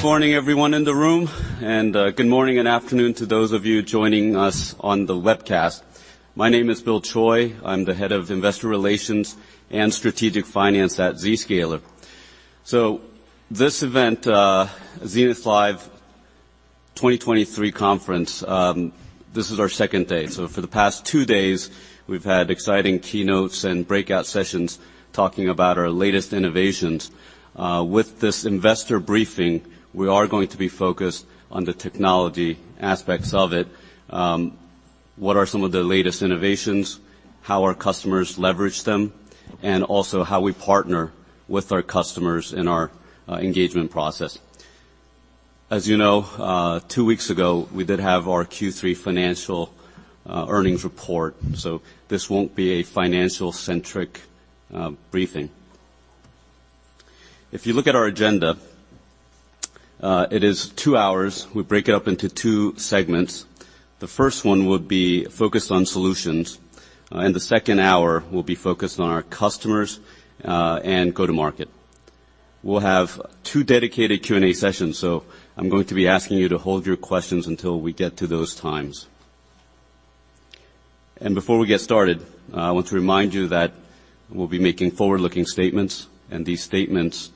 Good morning, everyone in the room. Good morning and afternoon to those of you joining us on the webcast. My name is Bill Choi. I'm the Head of Investor Relations and Strategic Finance at Zscaler. This event, Zenith Live 2023 conference, this is our second day. For the past 2 days, we've had exciting keynotes and breakout sessions talking about our latest innovations. With this investor briefing, we are going to be focused on the technology aspects of it. What are some of the latest innovations, how our customers leverage them, and also how we partner with our customers in our engagement process. As you know, 2 weeks ago, we did have our Q3 financial earnings report. This won't be a financial-centric briefing. If you look at our agenda, it is 2 hours. We break it up into two segments. The first one will be focused on solutions, and the second hour will be focused on our customers, and go-to-market. We'll have two dedicated Q&A sessions, so I'm going to be asking you to hold your questions until we get to those times. Before we get started, I want to remind you that we'll be making forward-looking statements, and these statements,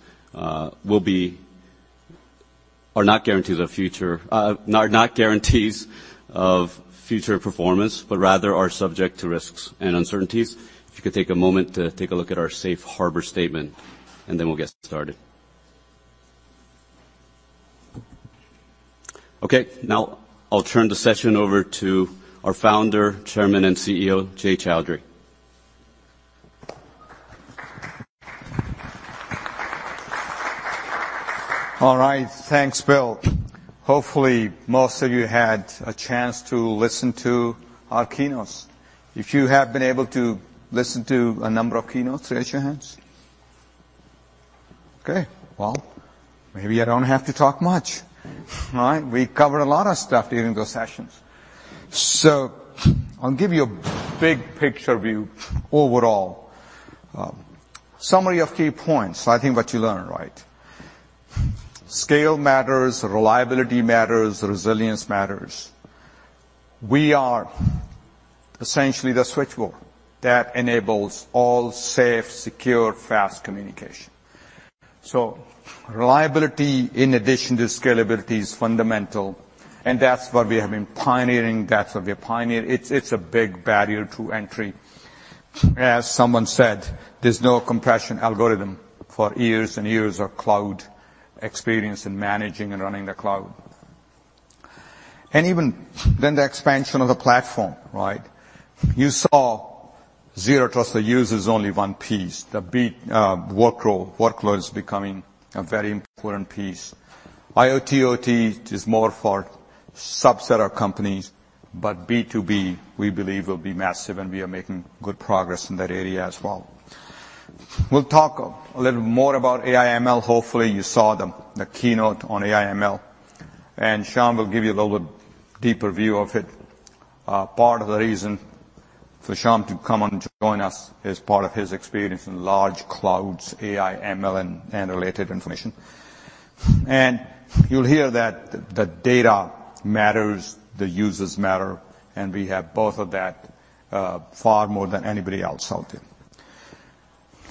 are not guarantees of future, not guarantees of future performance, but rather are subject to risks and uncertainties. If you could take a moment to take a look at our safe harbor statement, and then we'll get started. Now I'll turn the session over to our Founder, Chairman, and CEO, Jay Chaudhry. All right. Thanks, Bill. Hopefully, most of you had a chance to listen to our keynotes. If you have been able to listen to a number of keynotes, raise your hands. Okay, well, maybe I don't have to talk much. All right? We covered a lot of stuff during those sessions. I'll give you a big picture view overall. Summary of key points, I think what you learned, right? Scale matters, reliability matters, resilience matters. We are essentially the switchboard that enables all safe, secure, fast communication. Reliability, in addition to scalability, is fundamental, and that's what we have been pioneering. That's what we pioneer. It's a big barrier to entry. As someone said, there's no compression algorithm for years and years of cloud experience in managing and running the cloud. Even then, the expansion of the platform, right? You saw Zero Trust, the user is only one piece. The big workload is becoming a very important piece. IoT/OT is more for subset of companies, but B2B, we believe, will be massive, and we are making good progress in that area as well. We'll talk a little more about AI/ML. Hopefully, you saw the keynote on AI/ML, and Syam will give you a little deeper view of it. Part of the reason for Syam to come and join us is part of his experience in large clouds, AI, ML, and related information. You'll hear that the data matters, the users matter, and we have both of that far more than anybody else out there.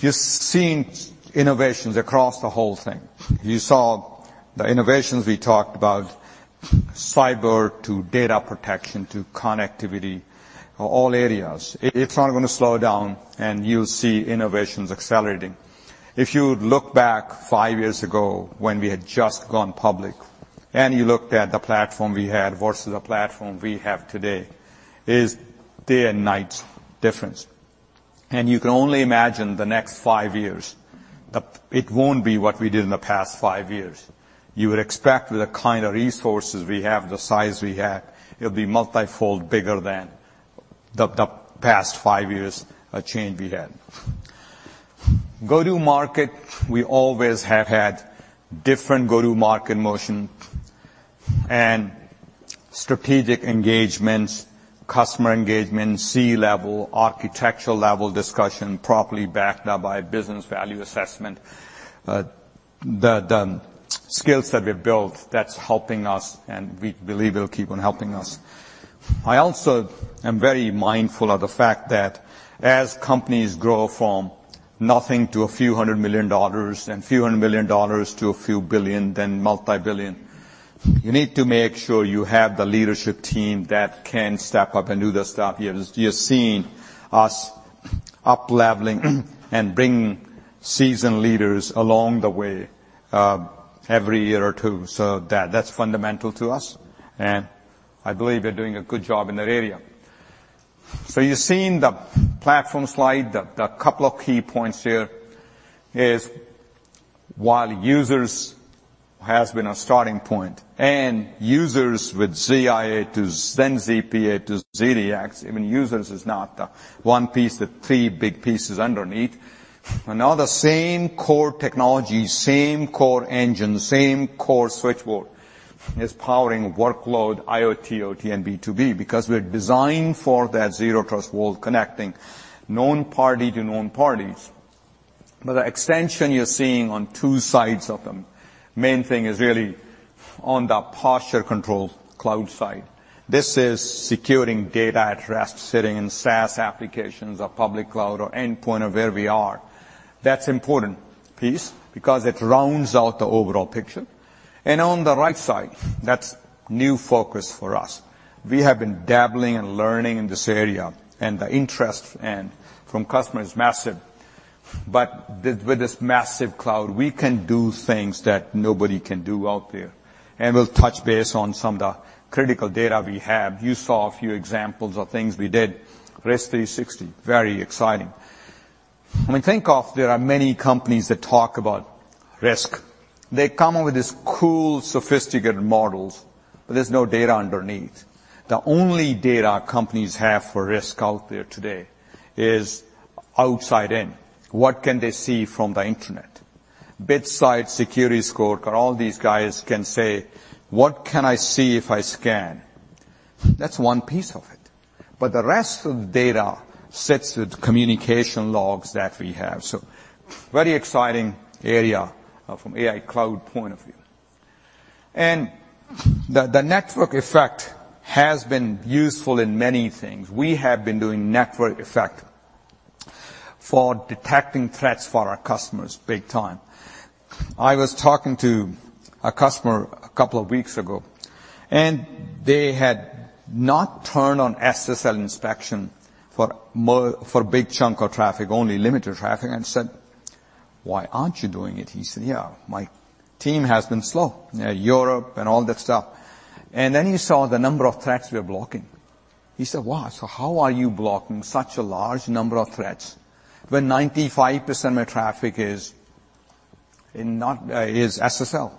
You've seen innovations across the whole thing. You saw the innovations we talked about, cyber to data protection to connectivity, all areas. It's not gonna slow down. You'll see innovations accelerating. If you look back five years ago when we had just gone public, you looked at the platform we had versus the platform we have today, is day and night difference. You can only imagine the next five years. It won't be what we did in the past five years. You would expect with the kind of resources we have, the size we have, it'll be multifold bigger than the past five years of change we had. Go-to-market, we always have had different go-to-market motion and strategic engagements, customer engagement, C-level, architectural level discussion, properly backed up by business value assessment. The skills that we've built, that's helping us. We believe it'll keep on helping us. I also am very mindful of the fact that as companies grow from nothing to a few hundred million dollars and few hundred million dollars to a few billion, then multi-billion, you need to make sure you have the leadership team that can step up and do the stuff. You've seen us up-leveling and bringing seasoned leaders along the way, every year or 2. That's fundamental to us, and I believe we're doing a good job in that area. You've seen the platform slide. The couple of key points here is, while users has been our starting point, and users with ZIA to then ZPA to ZDX, even users is not the 1 piece, the 3 big pieces underneath. Now the same core technology, same core engine, same core switchboard. is powering workload, IoT, OT, and B2B, because we're designed for that Zero Trust world, connecting known party to known parties. The extension you're seeing on two sides of them, main thing is really on the Posture Control cloud side. This is securing data at rest, sitting in SaaS applications or public cloud, or endpoint of where we are. That's important piece because it rounds out the overall picture. On the right side, that's new focus for us. We have been dabbling and learning in this area, and the interest and from customers is massive. With this massive cloud, we can do things that nobody can do out there, and we'll touch base on some of the critical data we have. You saw a few examples of things we did. Risk360, very exciting. When we think of, there are many companies that talk about risk. They come up with these cool, sophisticated models, there's no data underneath. The only data companies have for risk out there today is outside in. What can they see from the internet? BitSight Security Score, all these guys can say, "What can I see if I scan?" That's one piece of it, the rest of the data sits with communication logs that we have. Very exciting area from AI cloud point of view. The network effect has been useful in many things. We have been doing network effect for detecting threats for our customers big time. I was talking to a customer a couple of weeks ago. They had not turned on SSL inspection for a big chunk of traffic, only limited traffic, and said, "Why aren't you doing it?" He said, "Yeah, my team has been slow, Europe and all that stuff." He saw the number of threats we are blocking. He said, "What? How are you blocking such a large number of threats when 95% of traffic is not, is SSL?"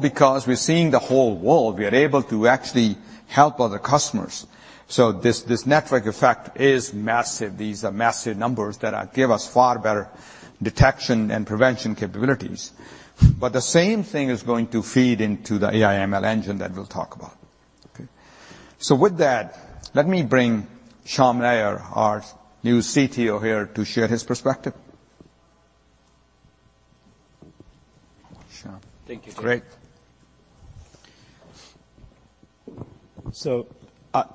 Because we're seeing the whole world, we are able to actually help other customers. This network effect is massive. These are massive numbers that give us far better detection and prevention capabilities. The same thing is going to feed into the AI ML engine that we'll talk about, okay? With that, let me bring Syam Nair, our new CTO here, to share his perspective. Syam. Thank you, Jay. Great.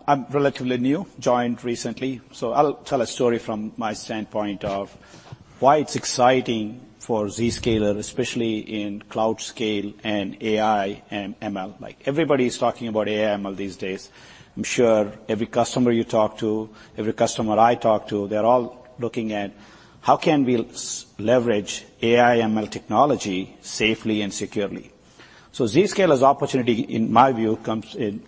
I'm relatively new, joined recently, so I'll tell a story from my standpoint of why it's exciting for Zscaler, especially in cloud scale, and AI, and ML. Like, everybody's talking about AI, ML these days. I'm sure every customer you talk to, every customer I talk to, they're all looking at, "How can we leverage AI, ML technology safely and securely?" Zscaler's opportunity, in my view, comes in,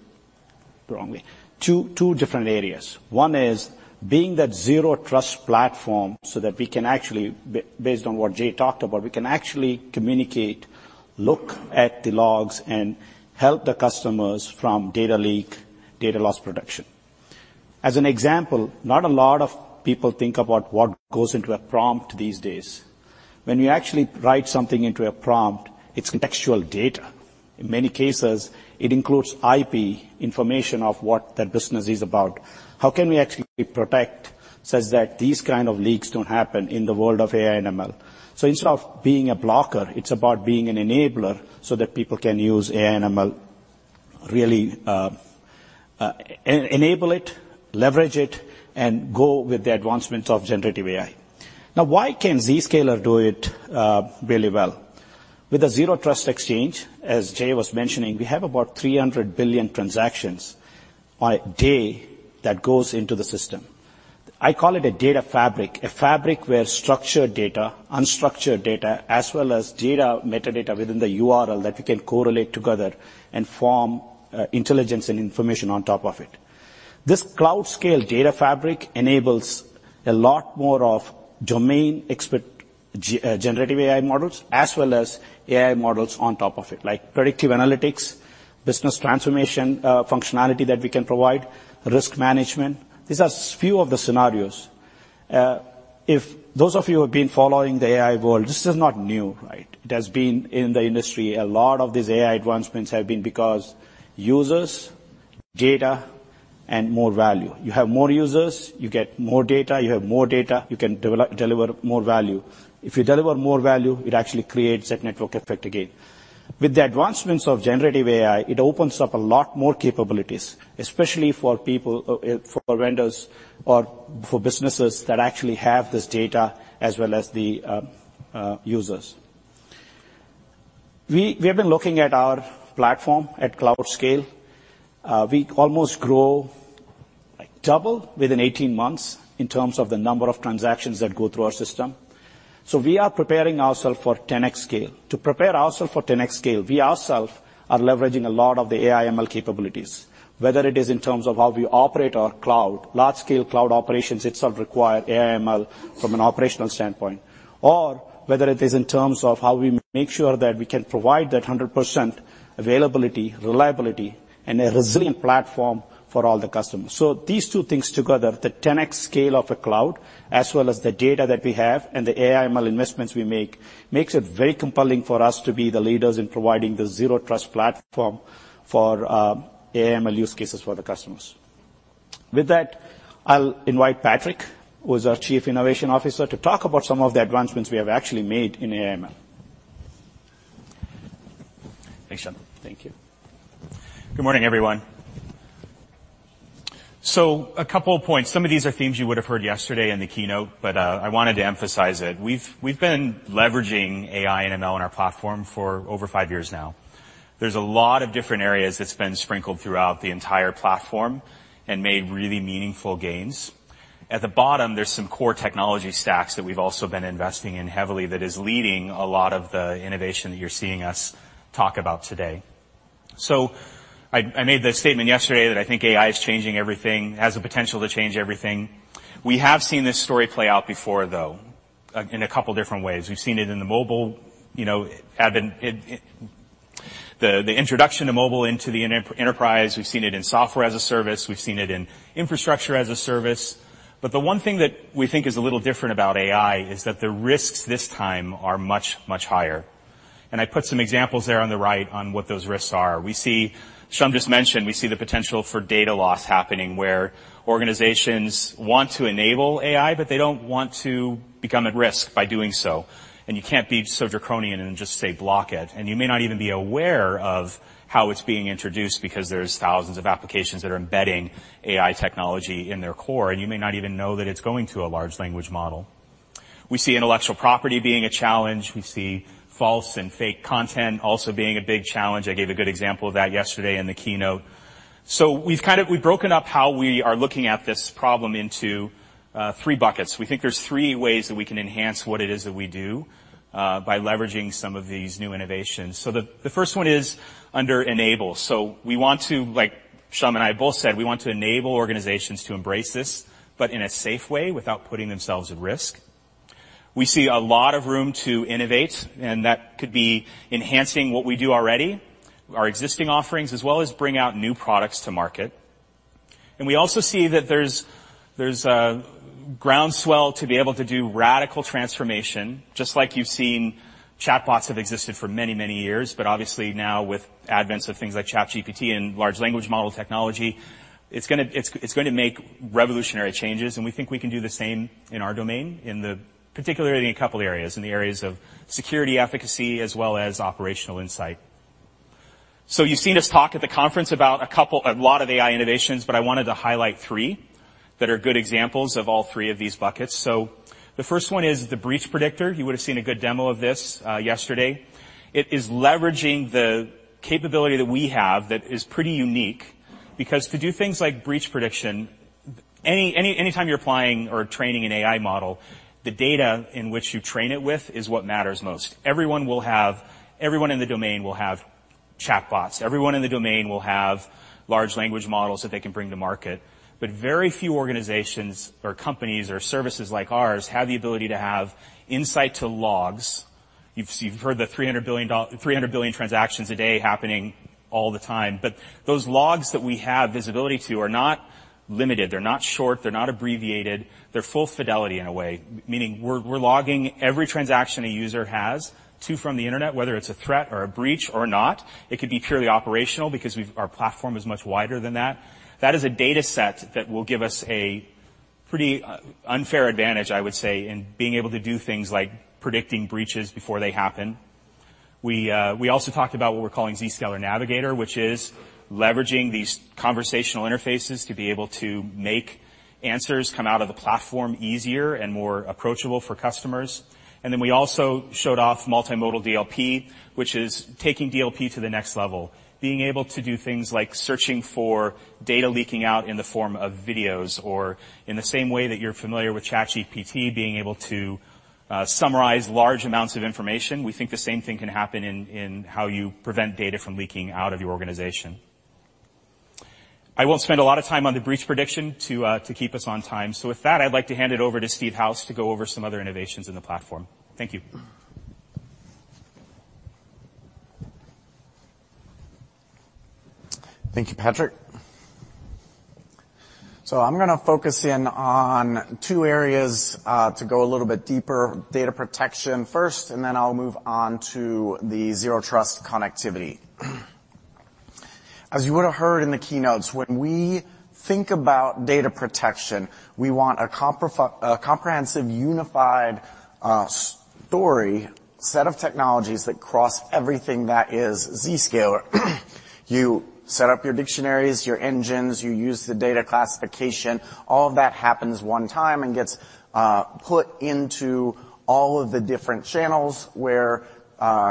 wrongly, two different areas. One is being that zero trust platform, so that we can actually, based on what Jay talked about, we can actually communicate, look at the logs, and help the customers from data leak, data loss protection. As an example, not a lot of people think about what goes into a prompt these days. When you actually write something into a prompt, it's contextual data. In many cases, it includes IP, information of what that business is about. How can we actually protect such that these kind of leaks don't happen in the world of AI and ML? Instead of being a blocker, it's about being an enabler, so that people can use AI and ML, really, enable it, leverage it, and go with the advancements of generative AI. Why can Zscaler do it really well? With the Zero Trust Exchange, as Jay was mentioning, we have about 300 billion transactions by day that goes into the system. I call it a data fabric, a fabric where structured data, unstructured data, as well as data metadata within the URL, that we can correlate together and form intelligence and information on top of it. This cloud-scale data fabric enables a lot more of domain expert generative AI models, as well as AI models on top of it, like predictive analytics, business transformation, functionality that we can provide, risk management. These are few of the scenarios. If those of you who have been following the AI world, this is not new, right? It has been in the industry. A lot of these AI advancements have been because users, data, and more value. You have more users, you get more data. You have more data, you can deliver more value. If you deliver more value, it actually creates that network effect again. With the advancements of generative AI, it opens up a lot more capabilities, especially for people, for vendors or for businesses that actually have this data, as well as the users. We have been looking at our platform at cloud scale. We almost grow like double within 18 months in terms of the number of transactions that go through our system. We are preparing ourself for 10x scale. To prepare ourself for 10x scale, we ourself are leveraging a lot of the AI/ML capabilities, whether it is in terms of how we operate our cloud. Large-scale cloud operations itself require AI/ML from an operational standpoint. Whether it is in terms of how we make sure that we can provide that 100% availability, reliability, and a resilient platform for all the customers. These two things together, the 10x scale of a cloud, as well as the data that we have and the AI, ML investments we make, makes it very compelling for us to be the leaders in providing the zero trust platform for AI, ML use cases for the customers. With that, I'll invite Patrick, who is our Chief Innovation Officer, to talk about some of the advancements we have actually made in AI/ML. Thanks, Syam. Thank you. and I put some examples there on the right on what those risks are. Syam just mentioned, we see the potential for data loss happening, where organizations want to enable AI, but they don't want to become at risk by doing so. You can't be so draconian and just say, "Block it." You may not even be aware of how it's being introduced, because there's thousands of applications that are embedding AI technology in their core, and you may not even know that it's going to a large language model. We see intellectual property being a challenge. We see false and fake content also being a big challenge. I gave a good example of that yesterday in the keynote. We've broken up how we are looking at this problem into 3 buckets. We think there's 3 ways that we can enhance what it is that we do by leveraging some of these new innovations. The, the first one is under enable. We want to, like Syam and I both said, we want to enable organizations to embrace this, but in a safe way, without putting themselves at risk. We see a lot of room to innovate, and that could be enhancing what we do already, our existing offerings, as well as bring out new products to market. We also see that there's a groundswell to be able to do radical transformation, just like you've seen... Chatbots have existed for many, many years. Obviously now with advents of things like ChatGPT and large language model technology, it's gonna make revolutionary changes. We think we can do the same in our domain, in the, particularly in a couple areas, in the areas of security efficacy as well as operational insight. You've seen us talk at the conference about a couple, a lot of AI innovations. I wanted to highlight three that are good examples of all three of these buckets. The first one is the Breach Predictor. You would have seen a good demo of this yesterday. It is leveraging the capability that we have that is pretty unique, because to do things like breach prediction, anytime you're applying or training an AI model, the data in which you train it with is what matters most. Everyone in the domain will have chatbots. Everyone in the domain will have large language models that they can bring to market. Very few organizations or companies or services like ours have the ability to have insight to logs. You've heard the 300 billion transactions a day happening all the time, but those logs that we have visibility to are not limited. They're not short, they're not abbreviated. They're full fidelity in a way, meaning we're logging every transaction a user has to from the internet, whether it's a threat or a breach or not. It could be purely operational, because we've. Our platform is much wider than that. That is a data set that will give us a pretty unfair advantage, I would say, in being able to do things like predicting breaches before they happen. We, we also talked about what we're calling Zscaler Navigator, which is leveraging these conversational interfaces to be able to make answers come out of the platform easier and more approachable for customers. Then we also showed off Multi-Modal DLP, which is taking DLP to the next level. Being able to do things like searching for data leaking out in the form of videos or in the same way that you're familiar with ChatGPT, being able to summarize large amounts of information, we think the same thing can happen in how you prevent data from leaking out of your organization. I won't spend a lot of time on the breach prediction to keep us on time. With that, I'd like to hand it over to Steve House to go over some other innovations in the platform. Thank you. Thank you, Patrick. I'm gonna focus in on two areas to go a little bit deeper. Data protection first, and then I'll move on to the Zero Trust connectivity. You would have heard in the keynotes, when we think about data protection, we want a comprehensive, unified story, set of technologies that cross everything that is Zscaler. You set up your dictionaries, your engines, you use the data classification. All of that happens one time and gets put into all of the different channels where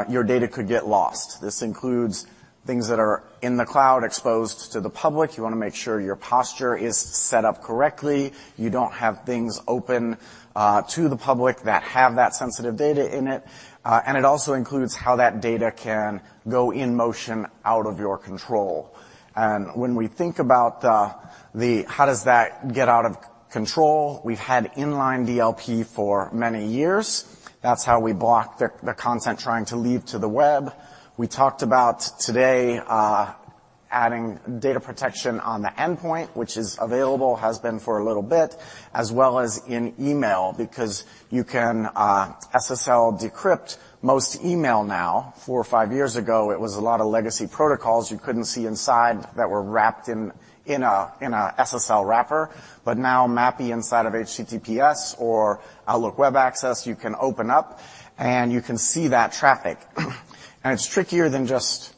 your data could get lost. This includes things that are in the cloud, exposed to the public. You wanna make sure your posture is set up correctly, you don't have things open to the public that have that sensitive data in it, and it also includes how that data can go in motion out of your control. When we think about the how does that get out of control, we've had inline DLP for many years. That's how we block the content trying to leave to the web. We talked about today adding data protection on the endpoint, which is available, has been for a little bit, as well as in email, because you can SSL decrypt most email now. Four or five years ago, it was a lot of legacy protocols you couldn't see inside that were wrapped in a, in a SSL wrapper, but now MAPI inside of HTTPS or Outlook Web Access, you can open up and you can see that traffic. It's trickier than just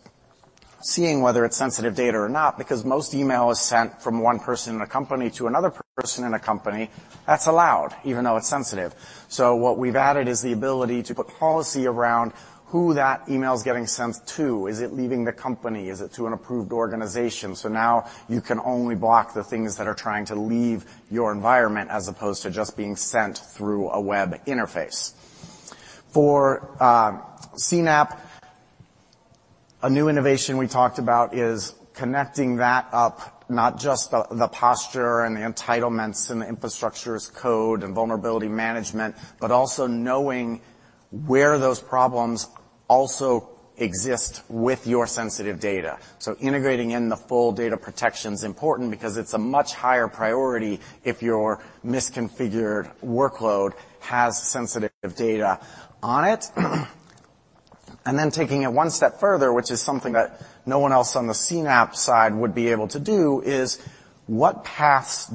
seeing whether it's sensitive data or not, because most email is sent from one person in a company to another person in a company. That's allowed, even though it's sensitive. What we've added is the ability to put policy around who that email is getting sent to. Is it leaving the company? Is it to an approved organization? Now you can only block the things that are trying to leave your environment, as opposed to just being sent through a web interface. For CNAPP, a new innovation we talked about is connecting that up, not just the posture and the entitlements and the infrastructures code and vulnerability management, but also knowing where those problems also exist with your sensitive data. Integrating in the full data protection is important because it's a much higher priority if your misconfigured workload has sensitive data on it. Then taking it one step further, which is something that no one else on the CNAPP side would be able to do, is what paths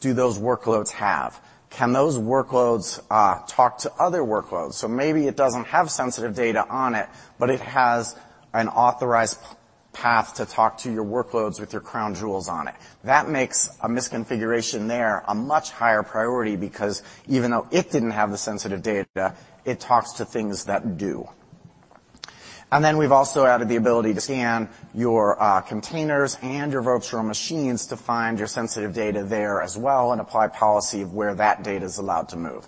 do those workloads have? Can those workloads talk to other workloads? Maybe it doesn't have sensitive data on it, but it has an authorized path to talk to your workloads with your crown jewels on it. That makes a misconfiguration there a much higher priority because even though it didn't have the sensitive data, it talks to things that do. We've also added the ability to scan your containers and your virtual machines to find your sensitive data there as well, and apply policy of where that data is allowed to move.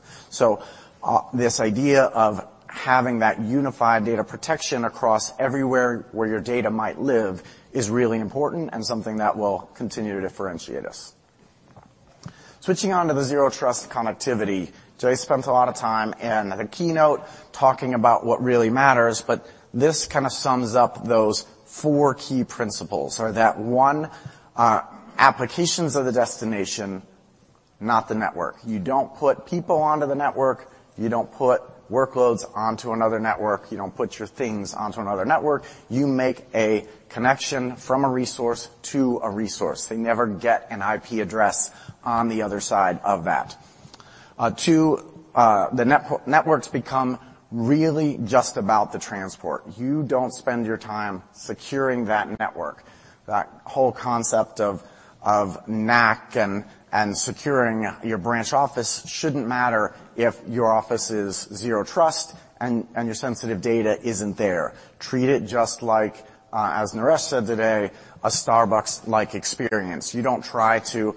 This idea of having that unified data protection across everywhere where your data might live is really important and something that will continue to differentiate us. Switching on to the zero-trust connectivity, Jay spent a lot of time in the keynote talking about what really matters, but this kind of sums up those four key principles, are that, one, applications are the destination, not the network. You don't put people onto the network, you don't put workloads onto another network, you don't put your things onto another network. You make a connection from a resource to a resource. They never get an IP address on the other side of that. Two, networks become really just about the transport. You don't spend your time securing that network. That whole concept of NAC and securing your branch office shouldn't matter if your office is Zero Trust and your sensitive data isn't there. Treat it just like as Naresh said today, a Starbucks-like experience. You don't try to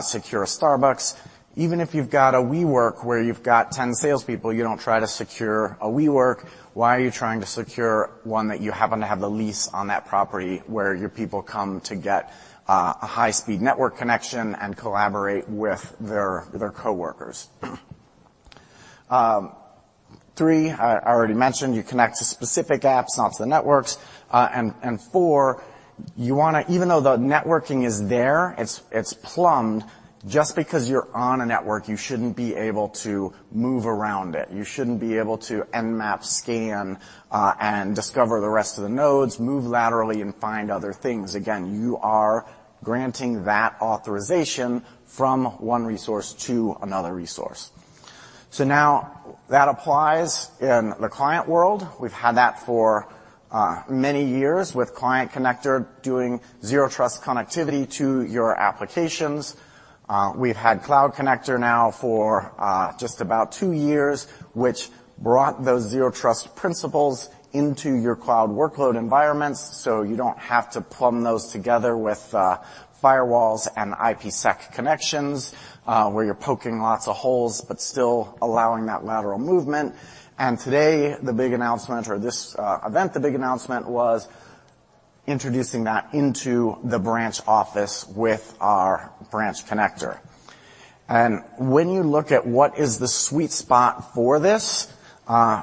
secure a Starbucks. Even if you've got a WeWork, where you've got 10 salespeople, you don't try to secure a WeWork. Why are you trying to secure one that you happen to have the lease on that property, where your people come to get a high-speed network connection and collaborate with their coworkers? Three, I already mentioned, you connect to specific apps, not to the networks. Four, even though the networking is there, it's plumbed, just because you're on a network, you shouldn't be able to move around it. You shouldn't be able to Nmap scan, and discover the rest of the nodes, move laterally and find other things. Again, you are granting that authorization from one resource to another resource. Now that applies in the client world. We've had that for many years with Client Connector doing zero-trust connectivity to your applications. We've had Cloud Connector now for just about 2 years, which brought those zero-trust principles into your cloud workload environments, so you don't have to plumb those together with firewalls and IPsec connections, where you're poking lots of holes, but still allowing that lateral movement. Today, the big announcement or this event, the big announcement was introducing that into the branch office with our Branch Connector. When you look at what is the sweet spot for this,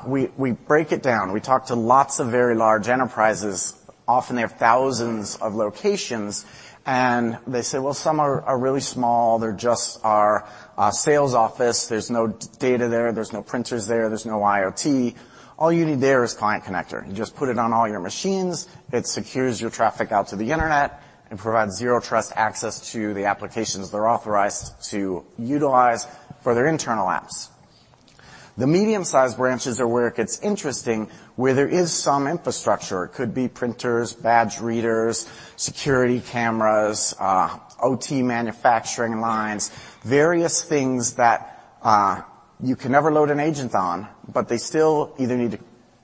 we break it down. We talk to lots of very large enterprises. Often, they have thousands of locations, and they say, "Well, some are really small. They're just our sales office. There's no data there's no printers there's no IoT." All you need there is Client Connector. You just put it on all your machines, it secures your traffic out to the internet and provides zero trust access to the applications they're authorized to utilize for their internal apps. The medium-sized branches are where it gets interesting, where there is some infrastructure. It could be printers, badge readers, security cameras, OT manufacturing lines, various things that you can never load an agent on, but they still either need to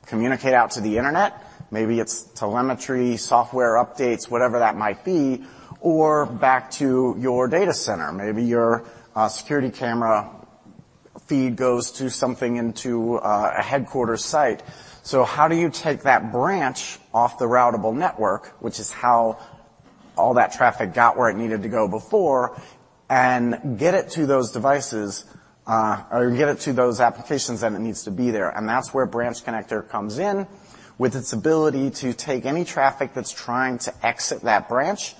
communicate out to the internet. Maybe it's telemetry, software updates, whatever that might be, or back to your data center. Maybe your security camera feed goes to something into a headquarters site. How do you take that branch off the routable network, which is how all that traffic got where it needed to go before, and get it to those devices, or get it to those applications that it needs to be there. That's where Branch Connector comes in, with its ability to take any traffic that's trying to exit that branch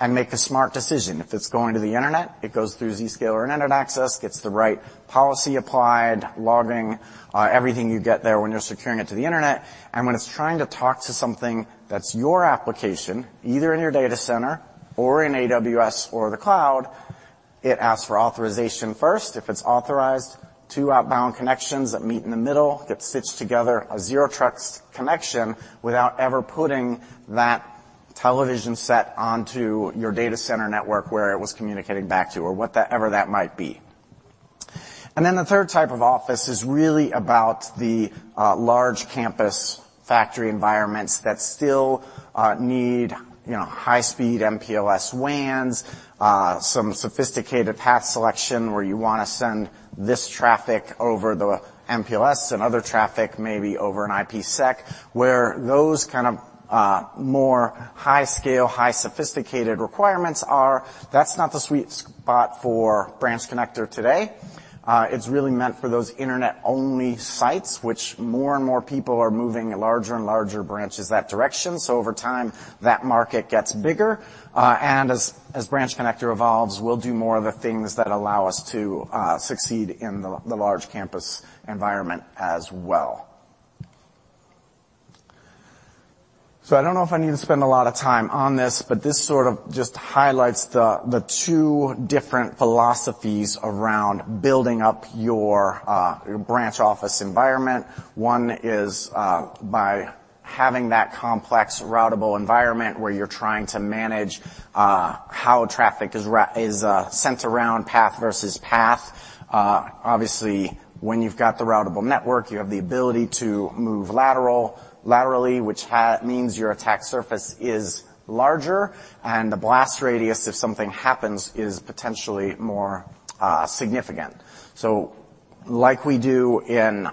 and make a smart decision. If it's going to the internet, it goes through Zscaler and Internet Access, gets the right policy applied, logging, everything you get there when you're securing it to the internet. When it's trying to talk to something that's your application, either in your data center or in AWS or the cloud, it asks for authorization first. If it's authorized, 2 outbound connections that meet in the middle, that stitch together a zero trust connection without ever putting that television set onto your data center network, where it was communicating back to you or whatever that might be. Then the third type of office is really about the large campus factory environments that still need, you know, high-speed MPLS WANs, some sophisticated path selection, where you want to send this traffic over the MPLS and other traffic, maybe over an IPsec, where those kind of more high scale, high sophisticated requirements are. That's not the sweet spot for Branch Connector today. It's really meant for those internet-only sites, which more and more people are moving larger and larger branches that direction, so over time, that market gets bigger. As Branch Connector evolves, we'll do more of the things that allow us to succeed in the large campus environment as well. I don't know if I need to spend a lot of time on this, but this sort of just highlights the two different philosophies around building up your branch office environment. One is by having that complex, routable environment, where you're trying to manage how traffic is sent around path versus path. Obviously, when you've got the routable network, you have the ability to move lateral, laterally, which means your attack surface is larger, and the blast radius, if something happens, is potentially more significant. Like we do in,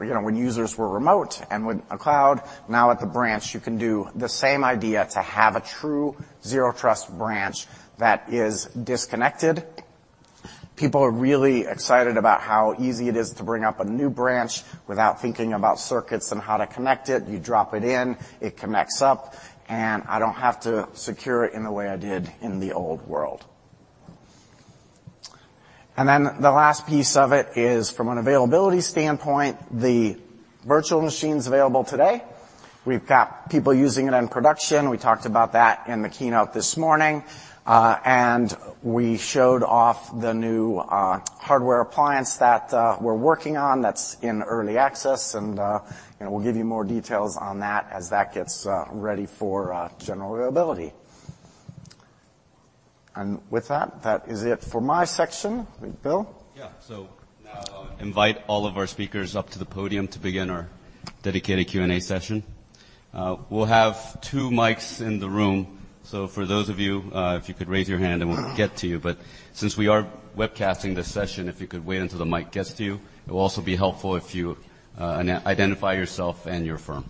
you know, when users were remote and with a cloud, now at the branch, you can do the same idea to have a true Zero Trust branch that is disconnected. People are really excited about how easy it is to bring up a new branch without thinking about circuits and how to connect it. You drop it in, it connects up, and I don't have to secure it in the way I did in the old world. Then the last piece of it is, from an availability standpoint, the virtual machines available today. We've got people using it in production. We talked about that in the keynote this morning, and we showed off the new hardware appliance that we're working on that's in early access. You know, we'll give you more details on that as that gets ready for general availability. With that is it for my section. Bill? Yeah. Now I'll invite all of our speakers up to the podium to begin our dedicated Q&A session. We'll have two mics in the room, so for those of you, if you could raise your hand, and we'll get to you. Since we are webcasting this session, if you could wait until the mic gets to you. It will also be helpful if you identify yourself and your firm.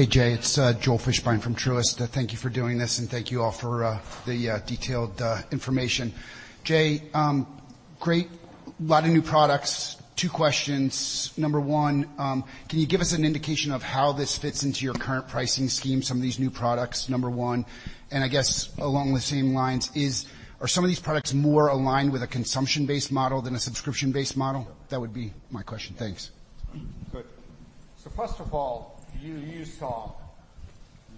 Hey, Jay, it's Joel Fishbein from Truist. Thank you for doing this, and thank you all for the detailed information. Jay, great. A lot of new products. Two questions. Number one, can you give us an indication of how this fits into your current pricing scheme, some of these new products, number one? I guess along the same lines, are some of these products more aligned with a consumption-based model than a subscription-based model? That would be my question. Thanks. Good. First of all, you saw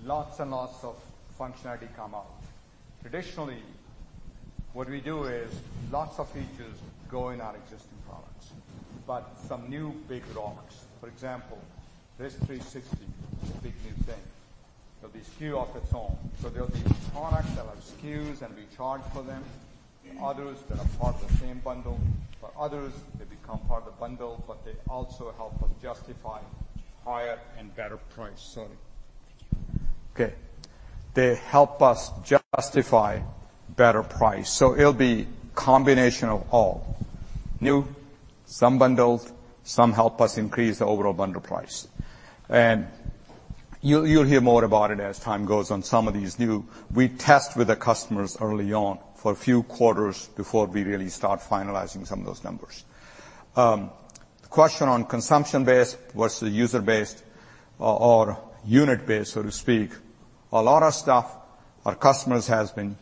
lots and lots of functionality come out. Traditionally, what we do is lots of features go in our existing products, but some new big rocks. For example, Risk360 is a big, new thing. There'll be SKU of its own. There'll be products that are SKUs, and we charge for them, others that are part of the same bundle, others, they become part of the bundle, but they also help us justify higher and better price. Sorry. Thank you. Okay. They help us justify better price, so it'll be combination of all. New, some bundled, some help us increase the overall bundle price. You'll hear more about it as time goes on. Some of these new, we test with the customers early on for a few quarters before we really start finalizing some of those numbers. The question on consumption-based versus user-based or unit-based, so to speak, a lot of stuff, our customers has been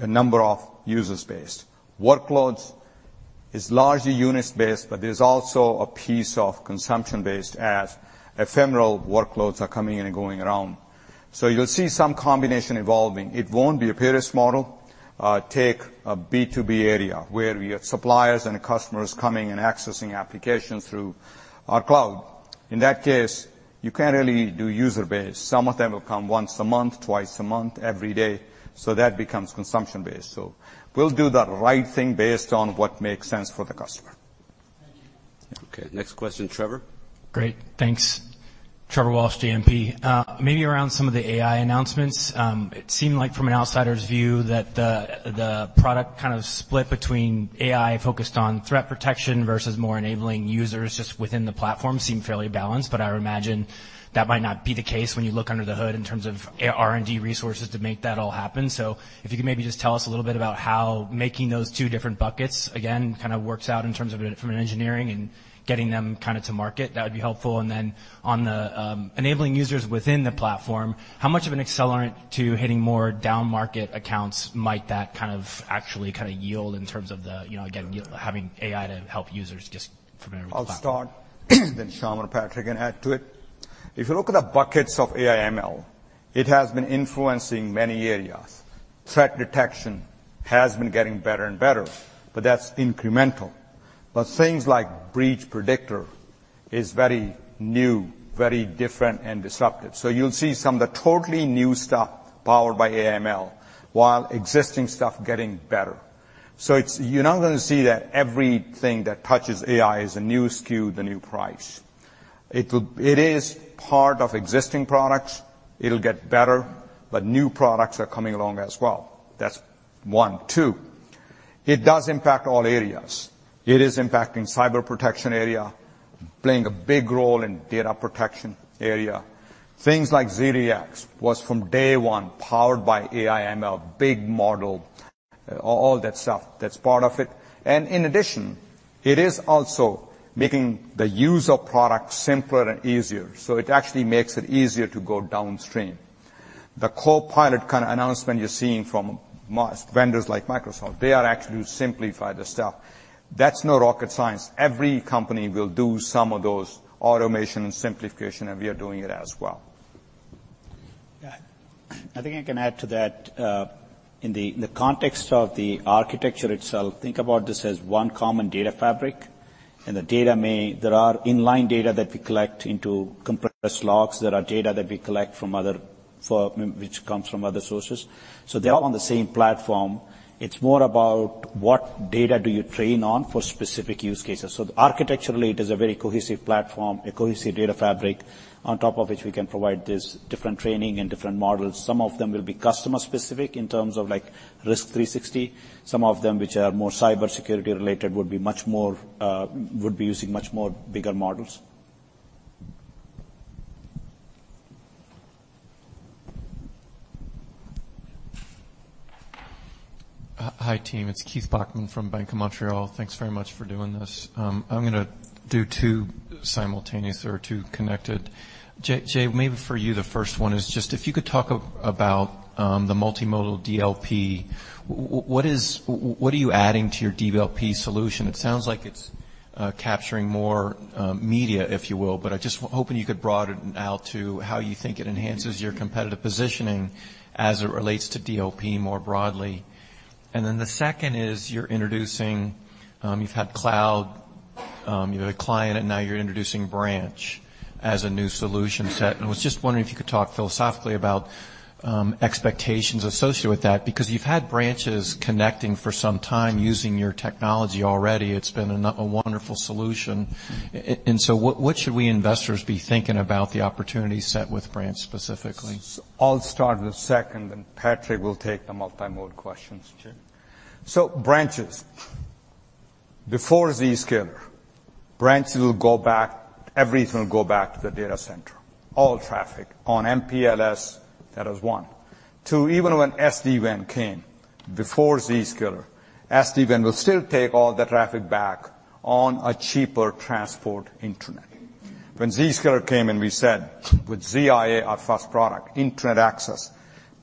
a number of users based. Workloads is largely units based, but there's also a piece of consumption-based as ephemeral workloads are coming in and going around. You'll see some combination evolving. It won't be a pure model. Take a B2B area where we have suppliers and customers coming and accessing applications through our cloud. In that case, you can't really do user-based. Some of them will come once a month, twice a month, every day, so that becomes consumption-based. We'll do the right thing based on what makes sense for the customer. Okay, next question, Trevor? Great, thanks. Trevor Walsh, JMP. Maybe around some of the AI announcements. It seemed like from an outsider's view, that the product kind of split between AI focused on threat protection versus more enabling users just within the platform seemed fairly balanced. I would imagine that might not be the case when you look under the hood in terms of AI R&D resources to make that all happen. If you could maybe just tell us a little bit about how making those two different buckets, again, kind of works out in terms of from an engineering and getting them kind of to market, that would be helpful. On the, enabling users within the platform, how much of an accelerant to hitting more downmarket accounts might that kind of actually kinda yield in terms of the, you know, again, having AI to help users just from a platform? I'll start, Syam or Patrick can add to it. If you look at the buckets of AI/ML, it has been influencing many areas. Threat detection has been getting better and better, that's incremental. Things like Breach Predictor is very new, very different, and disruptive. You'll see some of the totally new stuff powered by AI/ML, while existing stuff getting better. It's you're not gonna see that everything that touches AI is a new SKU with a new price. It is part of existing products. It'll get better, new products are coming along as well. That's one. Two, it does impact all areas. It is impacting cyber protection area, playing a big role in data protection area. Things like ZDX was, from day one, powered by AI/ML, big model, all that stuff, that's part of it. In addition, it is also making the user product simpler and easier, so it actually makes it easier to go downstream. The copilot kind of announcement you're seeing from most vendors like Microsoft, they are actually to simplify the stuff. That's no rocket science. Every company will do some of those automation and simplification, we are doing it as well. Yeah. I think I can add to that, in the context of the architecture itself, think about this as one common data fabric, there are inline data that we collect into compressed logs, there are data that we collect from other form, which comes from other sources, they're all on the same platform. It's more about what data do you train on for specific use cases. Architecturally, it is a very cohesive platform, a cohesive data fabric, on top of which we can provide this different training and different models. Some of them will be customer-specific in terms of, like, Risk360. Some of them, which are more cybersecurity-related, would be much more, would be using much more bigger models. Hi, team. It's Keith Bachman from Bank of Montreal. Thanks very much for doing this. I'm gonna do two simultaneous or two connected. Jay, maybe for you, the first one is just if you could talk about the Multi-Modal DLP, what are you adding to your DLP solution? It sounds like it's capturing more media, if you will, but I'm just hoping you could broaden it out to how you think it enhances your competitive positioning as it relates to DLP more broadly. The second is you're introducing, you've had cloud, you had a client, and now you're introducing branch as a new solution set. I was just wondering if you could talk philosophically about expectations associated with that, because you've had branches connecting for some time using your technology already. It's been a wonderful solution. What should we investors be thinking about the opportunity set with Branch specifically? I'll start with the second, then Patrick will take the multimodal questions. Sure. Branches. Before Zscaler, branches will go back, everything will go back to the data center, all traffic on MPLS, that is 1. 2, even when SD-WAN came, before Zscaler, SD-WAN will still take all the traffic back on a cheaper transport internet. When Zscaler came and we said, with ZIA, our first product, internet access,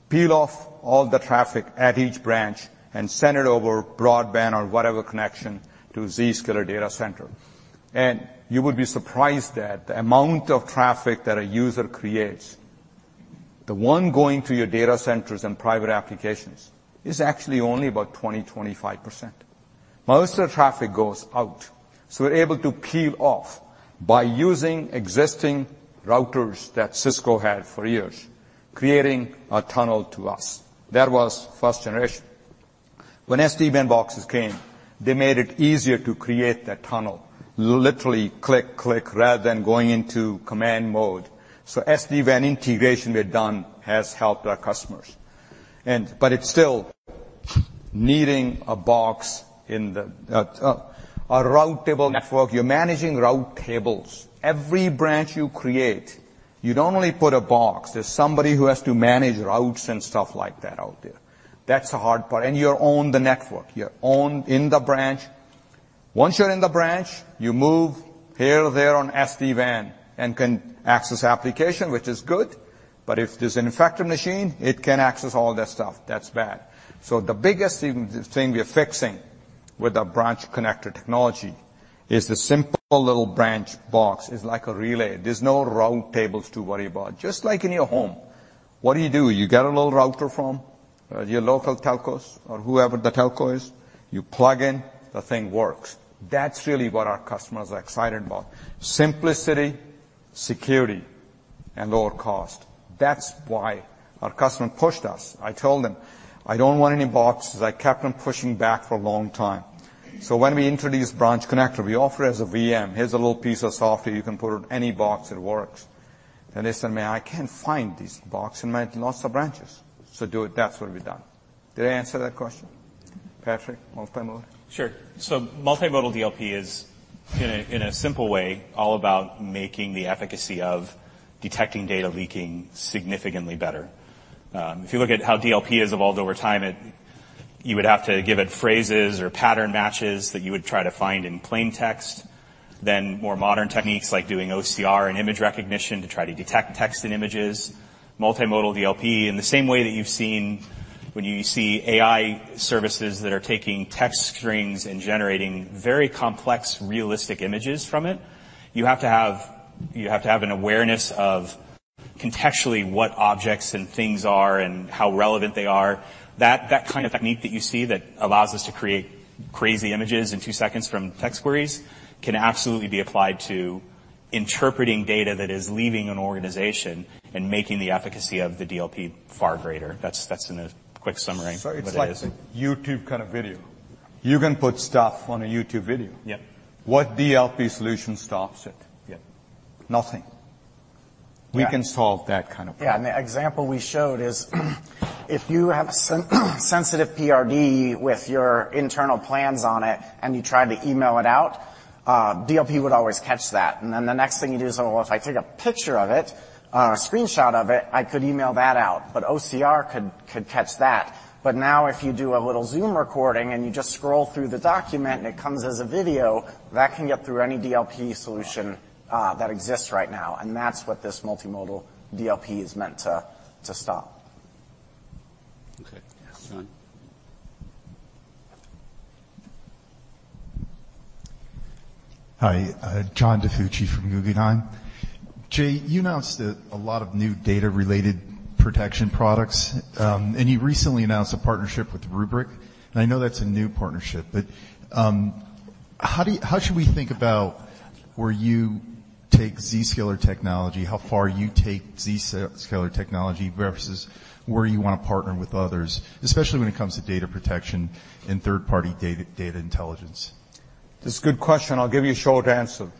peel off all the traffic at each branch and send it over broadband or whatever connection to Zscaler data center. You would be surprised that the amount of traffic that a user creates, the one going to your data centers and private applications, is actually only about 20%-25%. Most of the traffic goes out, so we're able to peel off by using existing routers that Cisco had for years, creating a tunnel to us. That was first generation. When SD-WAN boxes came, they made it easier to create that tunnel, literally click, rather than going into command mode. SD-WAN integration we've done has helped our customers. It's still needing a box in the a route table network. You're managing route tables. Every branch you create, you don't only put a box, there's somebody who has to manage routes and stuff like that out there. That's the hard part, and you own the network, you own in the branch. Once you're in the branch, you move here or there on SD-WAN and can access application, which is good, but if there's an infected machine, it can access all that stuff. That's bad. The biggest thing we are fixing with our Branch Connector technology is the simple little branch box. It's like a relay. There's no route tables to worry about. Just like in your home, what do you do? You get a little router from your local telcos or whoever the telco is, you plug in, the thing works. That's really what our customers are excited about: simplicity, security... and lower cost. That's why our customer pushed us. I told them, "I don't want any boxes." I kept on pushing back for a long time. When we introduced Branch Connector, we offer it as a VM. Here's a little piece of software you can put on any box, it works. They said, "Man, I can't find this box in my lots of branches, so do it." That's what we've done. Did I answer that question? Patrick, multimodal? Sure. Multi-Modal DLP is, in a, in a simple way, all about making the efficacy of detecting data leaking significantly better. If you look at how DLP has evolved over time, you would have to give it phrases or pattern matches that you would try to find in plain text. More modern techniques like doing OCR and image recognition to try to detect text and images. Multi-Modal DLP, in the same way that you've seen when you see AI services that are taking text strings and generating very complex, realistic images from it, you have to have an awareness of contextually what objects and things are and how relevant they are. That kind of technique that you see that allows us to create crazy images in 2 seconds from text queries, can absolutely be applied to interpreting data that is leaving an organization and making the efficacy of the DLP far greater. That's in a quick summary of what it is. It's like a YouTube kind of video. You can put stuff on a YouTube video. Yeah. What DLP solution stops it? Yeah. Nothing. Yeah. We can solve that kind of problem. Yeah, the example we showed is, if you have sensitive PRD with your internal plans on it, and you try to email it out, DLP would always catch that. The next thing you do is, "Oh, well, if I take a picture of it, a screenshot of it, I could email that out." OCR could catch that. Now if you do a little Zoom recording, and you just scroll through the document, and it comes as a video, that can get through any DLP solution that exists right now, and that's what this Multi-Modal DLP is meant to stop. Okay. John. Hi, John DiFucci from Guggenheim. Jay, you announced a lot of new data-related protection products, and you recently announced a partnership with Rubrik, and I know that's a new partnership. How should we think about where you take Zscaler technology, how far you take Zscaler technology versus where you want to partner with others, especially when it comes to data protection and third-party data intelligence? That's a good question. I'll give you a short answer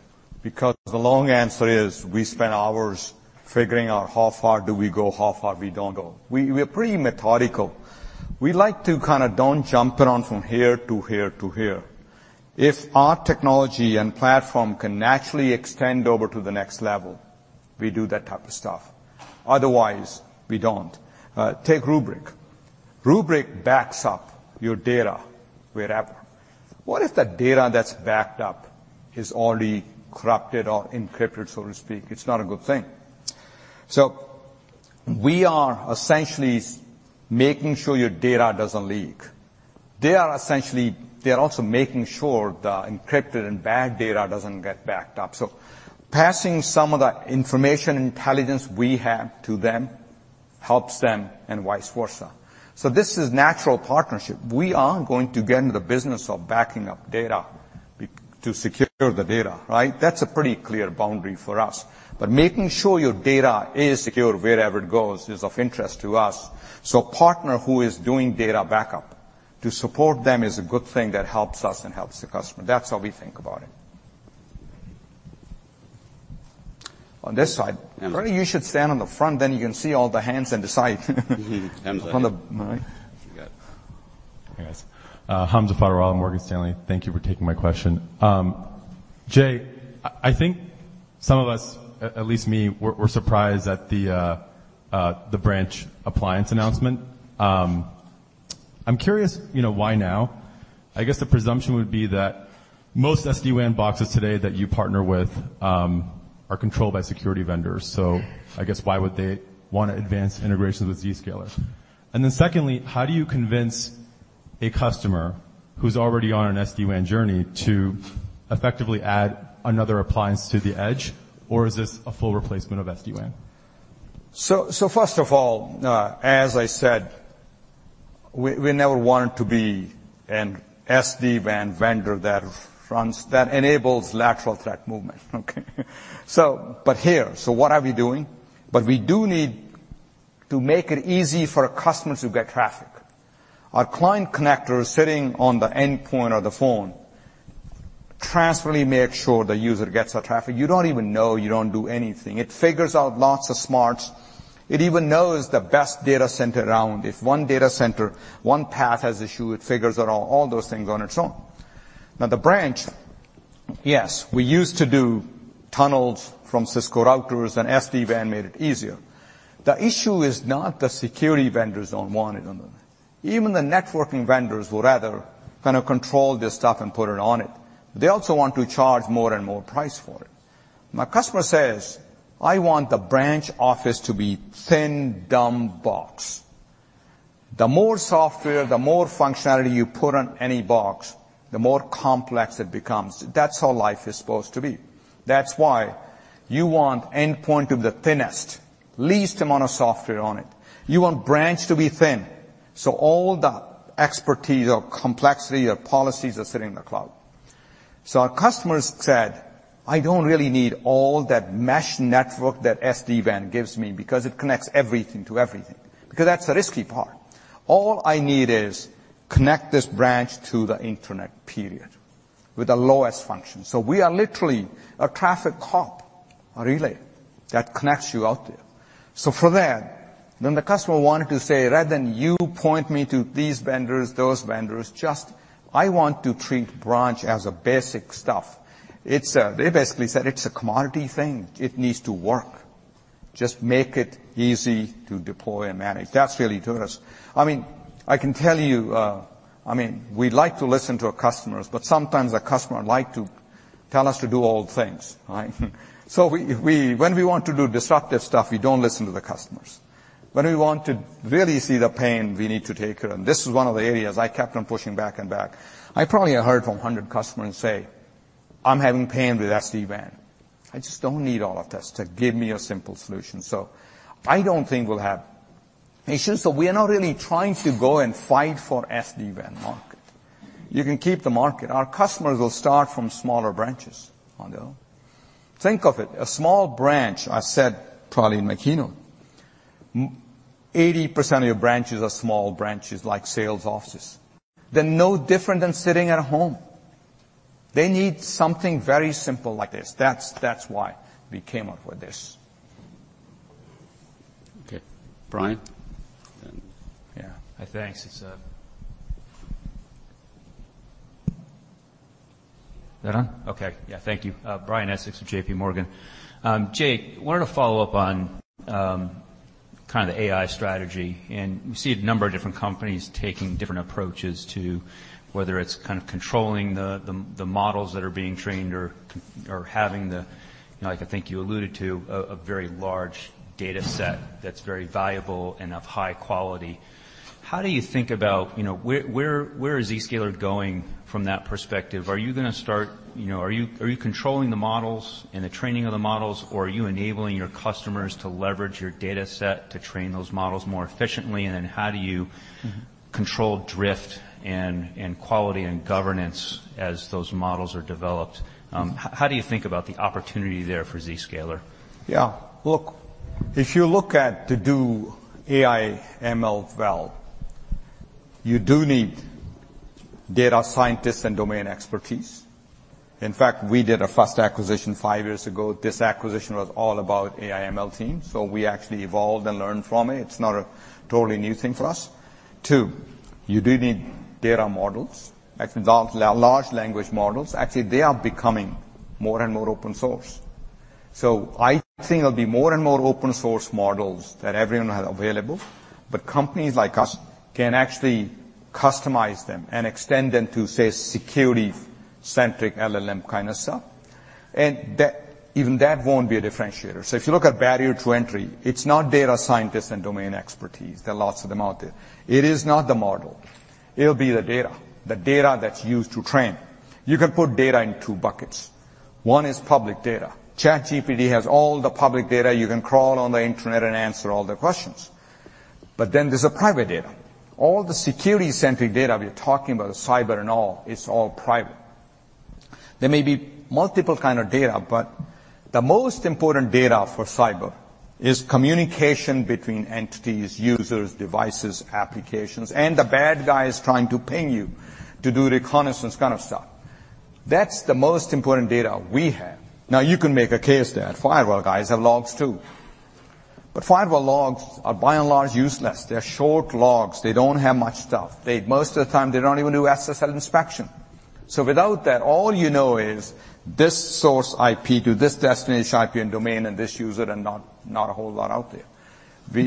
because the long answer is, we spend hours figuring out how far do we go, how far we don't go. We're pretty methodical. We like to kind of don't jump around from here to here to here. If our technology and platform can naturally extend over to the next level, we do that type of stuff. Otherwise, we don't. Take Rubrik. Rubrik backs up your data wherever. What if the data that's backed up is already corrupted or encrypted, so to speak? It's not a good thing. We are essentially making sure your data doesn't leak. They are also making sure the encrypted and bad data doesn't get backed up. Passing some of the information intelligence we have to them, helps them and vice versa. This is natural partnership. We aren't going to get into the business of backing up data to secure the data, right? That's a pretty clear boundary for us. Making sure your data is secure wherever it goes is of interest to us. A partner who is doing data backup, to support them is a good thing that helps us and helps the customer. That's how we think about it. On this side. Bernie, you should stand on the front, you can see all the hands and the side. Mm-hmm. Right. I forgot. Hey, guys. Hamza Fodderwala, Morgan Stanley. Thank you for taking my question. Jay, I think some of us, at least me, were surprised at the branch appliance announcement. I'm curious, you know, why now? I guess the presumption would be that most SD-WAN boxes today that you partner with, are controlled by security vendors, I guess why would they want to advance integrations with Zscaler? Secondly, how do you convince a customer who's already on an SD-WAN journey to effectively add another appliance to the edge, or is this a full replacement of SD-WAN? First of all, as I said, we never wanted to be an SD-WAN vendor that enables lateral threat movement. Okay? Here, so what are we doing? We do need to make it easy for customers who get traffic. Our Client Connector sitting on the endpoint or the phone, transparently make sure the user gets the traffic. You don't even know, you don't do anything. It figures out lots of smarts. It even knows the best data center around. If one data center, one path has issue, it figures out all those things on its own. Now, the branch, yes, we used to do tunnels from Cisco routers, and SD-WAN made it easier. The issue is not the security vendors don't want it on them. Even the networking vendors would rather kind of control this stuff and put it on it. They also want to charge more and more price for it. My customer says, "I want the branch office to be thin, dumb box." The more software, the more functionality you put on any box, the more complex it becomes. That's how life is supposed to be. That's why you want endpoint of the thinnest, least amount of software on it. You want branch to be thin, so all the expertise or complexity or policies are sitting in the cloud. Our customers said, "I don't really need all that mesh network that SD-WAN gives me, because it connects everything to everything, because that's the risky part. All I need is connect this branch to the internet, period, with the lowest function." We are literally a traffic cop, a relay, that connects you out there. For that, then the customer wanted to say, "Rather than you point me to these vendors, those vendors, just I want to treat branch as a basic stuff." It's They basically said, "It's a commodity thing. It needs to work. Just make it easy to deploy and manage." That's really doing us. I mean, I can tell you, I mean, we like to listen to our customers, but sometimes the customer like to tell us to do old things, right? When we want to do disruptive stuff, we don't listen to the customers. When we want to really see the pain, we need to take care, and this is one of the areas I kept on pushing back and back. I probably heard from 100 customers say, "I'm having pain with SD-WAN. I just don't need all of this. Just give me a simple solution." I don't think we'll have issues. We are not really trying to go and fight for SD-WAN market. You can keep the market. Our customers will start from smaller branches on their own. Think of it, a small branch, I said probably in my keynote, 80% of your branches are small branches, like sales offices. They're no different than sitting at home. They need something very simple like this. That's why we came up with this. Okay, Brian? Yeah. Thanks. It's... Is that on? Okay. Yeah, thank you. Brian Essex with JPMorgan. Jay, wanted to follow up on kind of the AI strategy, and we see a number of different companies taking different approaches to whether it's kind of controlling the, the models that are being trained or having the, you know, like I think you alluded to, a very large data set that's very valuable and of high quality. How do you think about, you know, where is Zscaler going from that perspective? Are you controlling the models and the training of the models, or are you enabling your customers to leverage your data set to train those models more efficiently? And then how do you- Mm-hmm. control drift and quality and governance as those models are developed? How do you think about the opportunity there for Zscaler? Yeah, look, if you look at to do AI, ML well, you do need data scientists and domain expertise. In fact, we did a first acquisition 5 years ago. This acquisition was all about AI, ML team, so we actually evolved and learned from it. It's not a totally new thing for us. 2, you do need data models. Actually, large language models, actually, they are becoming more and more open source. I think there'll be more and more open source models that everyone has available, but companies like us can actually customize them and extend them to, say, security-centric LLM kind of stuff, and that, even that won't be a differentiator. If you look at barrier to entry, it's not data scientists and domain expertise. There are lots of them out there. It is not the model. It'll be the data, the data that's used to train. You can put data in two buckets. One is public data. ChatGPT has all the public data. You can crawl on the internet and answer all the questions. There's a private data. All the security-centric data we're talking about, cyber and all, is all private. There may be multiple kind of data, but the most important data for cyber is communication between entities, users, devices, applications, and the bad guys trying to ping you to do reconnaissance kind of stuff. That's the most important data we have. You can make a case that firewall guys have logs too, but firewall logs are by and large useless. They're short logs. They don't have much stuff. Most of the time, they don't even do SSL inspection. Without that, all you know is this source IP to this destination IP and domain and this user, and not a whole lot out there.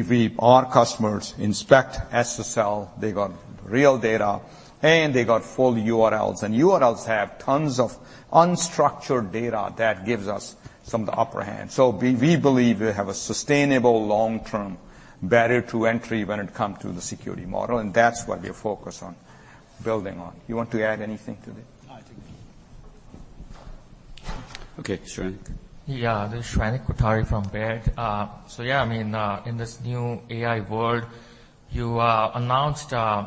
We our customers inspect SSL, they got real data, and they got full URLs, and URLs have tons of unstructured data that gives us some of the upper hand. We believe we have a sustainable long-term barrier to entry when it come to the security model, and that's what we are focused on building on. You want to add anything to this? I think. Okay, Shrenik. Yeah, this is Shrenik Kothari from Baird. Yeah, I mean, in this new AI world, you announced kind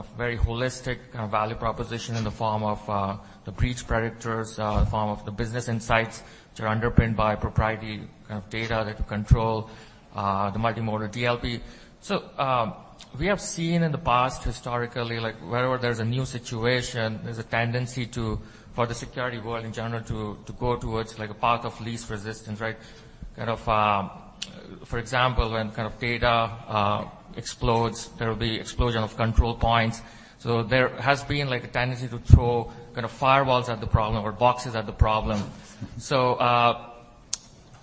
of very holistic kind of value proposition in the form of the Breach Predictor, in the form of the business insights, which are underpinned by proprietary kind of data that you control, the Multi-Modal DLP. We have seen in the past, historically, like wherever there's a new situation, there's a tendency to, for the security world in general, to go towards like a path of least resistance, right? For example, when kind of data explodes, there will be explosion of control points. There has been, like, a tendency to throw kind of firewalls at the problem or boxes at the problem.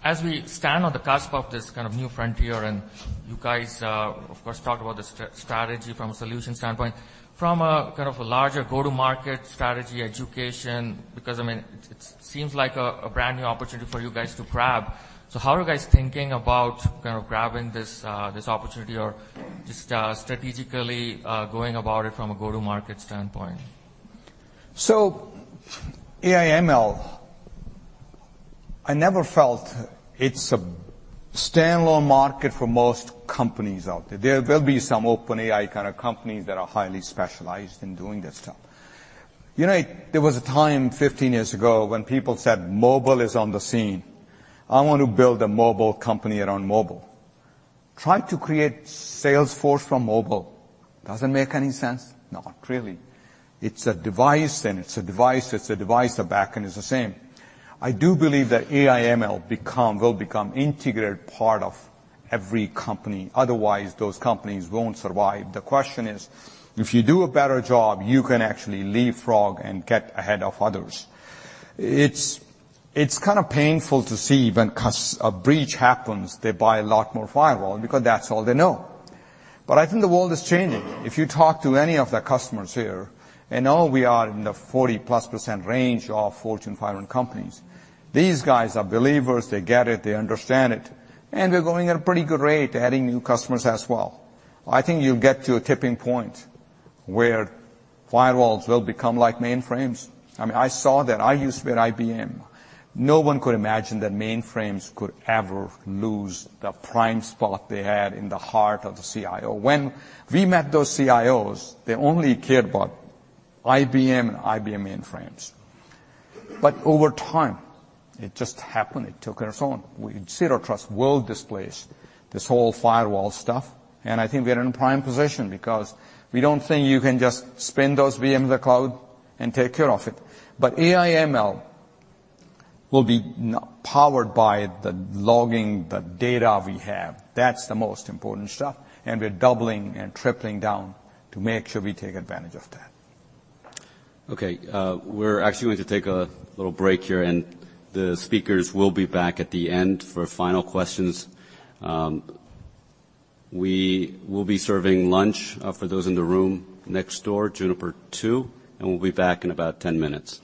As we stand on the cusp of this kind of new frontier, and you guys, of course, talked about the strategy from a solution standpoint, from a kind of a larger go-to-market strategy education, because, I mean, it seems like a brand-new opportunity for you guys to grab. How are you guys thinking about kind of grabbing this opportunity or just strategically going about it from a go-to-market standpoint? AI, ML. I never felt it's a standalone market for most companies out there. There will be some OpenAI kind of companies that are highly specialized in doing this stuff. You know, there was a time 15 years ago when people said mobile is on the scene. I want to build a mobile company around mobile. Try to create Salesforce from mobile. Does it make any sense? Not really. It's a device. The back end is the same. I do believe that AI ML will become integrated part of every company, otherwise those companies won't survive. The question is, if you do a better job, you can actually leapfrog and get ahead of others. It's kind of painful to see when a breach happens, they buy a lot more firewall because that's all they know. I think the world is changing. If you talk to any of the customers here, and now we are in the 40%+ range of Fortune 500 companies, these guys are believers. They get it, they understand it, and we're going at a pretty good rate, adding new customers as well. I think you'll get to a tipping point where firewalls will become like mainframes. I mean, I saw that. I used to be at IBM. No one could imagine that mainframes could ever lose the prime spot they had in the heart of the CIO. When we met those CIOs, they only cared about IBM and IBM mainframes. Over time, it just happened. It took care of its own. Zero Trust will displace this whole firewall stuff. I think we are in a prime position because we don't think you can just spin those VMs to the cloud and take care of it. AI ML will be powered by the logging, the data we have. That's the most important stuff. We're doubling and tripling down to make sure we take advantage of that. Okay, we're actually going to take a little break here. The speakers will be back at the end for final questions. We will be serving lunch for those in the room next door, Juniper 2. We'll be back in about 10 minutes.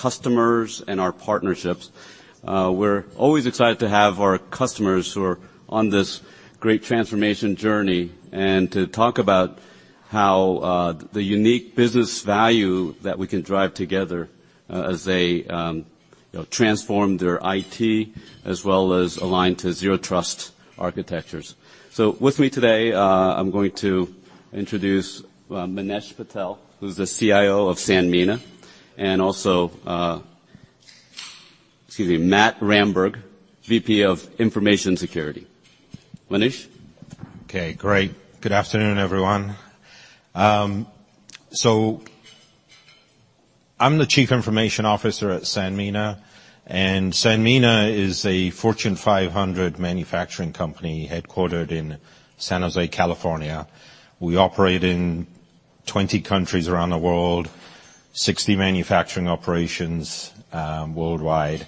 Thank you.... customers and our partnerships. We're always excited to have our customers who are on this great transformation journey, and to talk about how the unique business value that we can drive together, as they, you know, transform their IT, as well as align to zero trust architectures. With me today, I'm going to introduce Manesh Patel, who's the CIO of Sanmina, and also, excuse me, Matt Ramberg, VP of Information Security. Manesh? Okay, great. Good afternoon, everyone. I'm the Chief Information Officer at Sanmina. Sanmina is a Fortune 500 manufacturing company, headquartered in San Jose, California. We operate in 20 countries around the world, 60 manufacturing operations worldwide.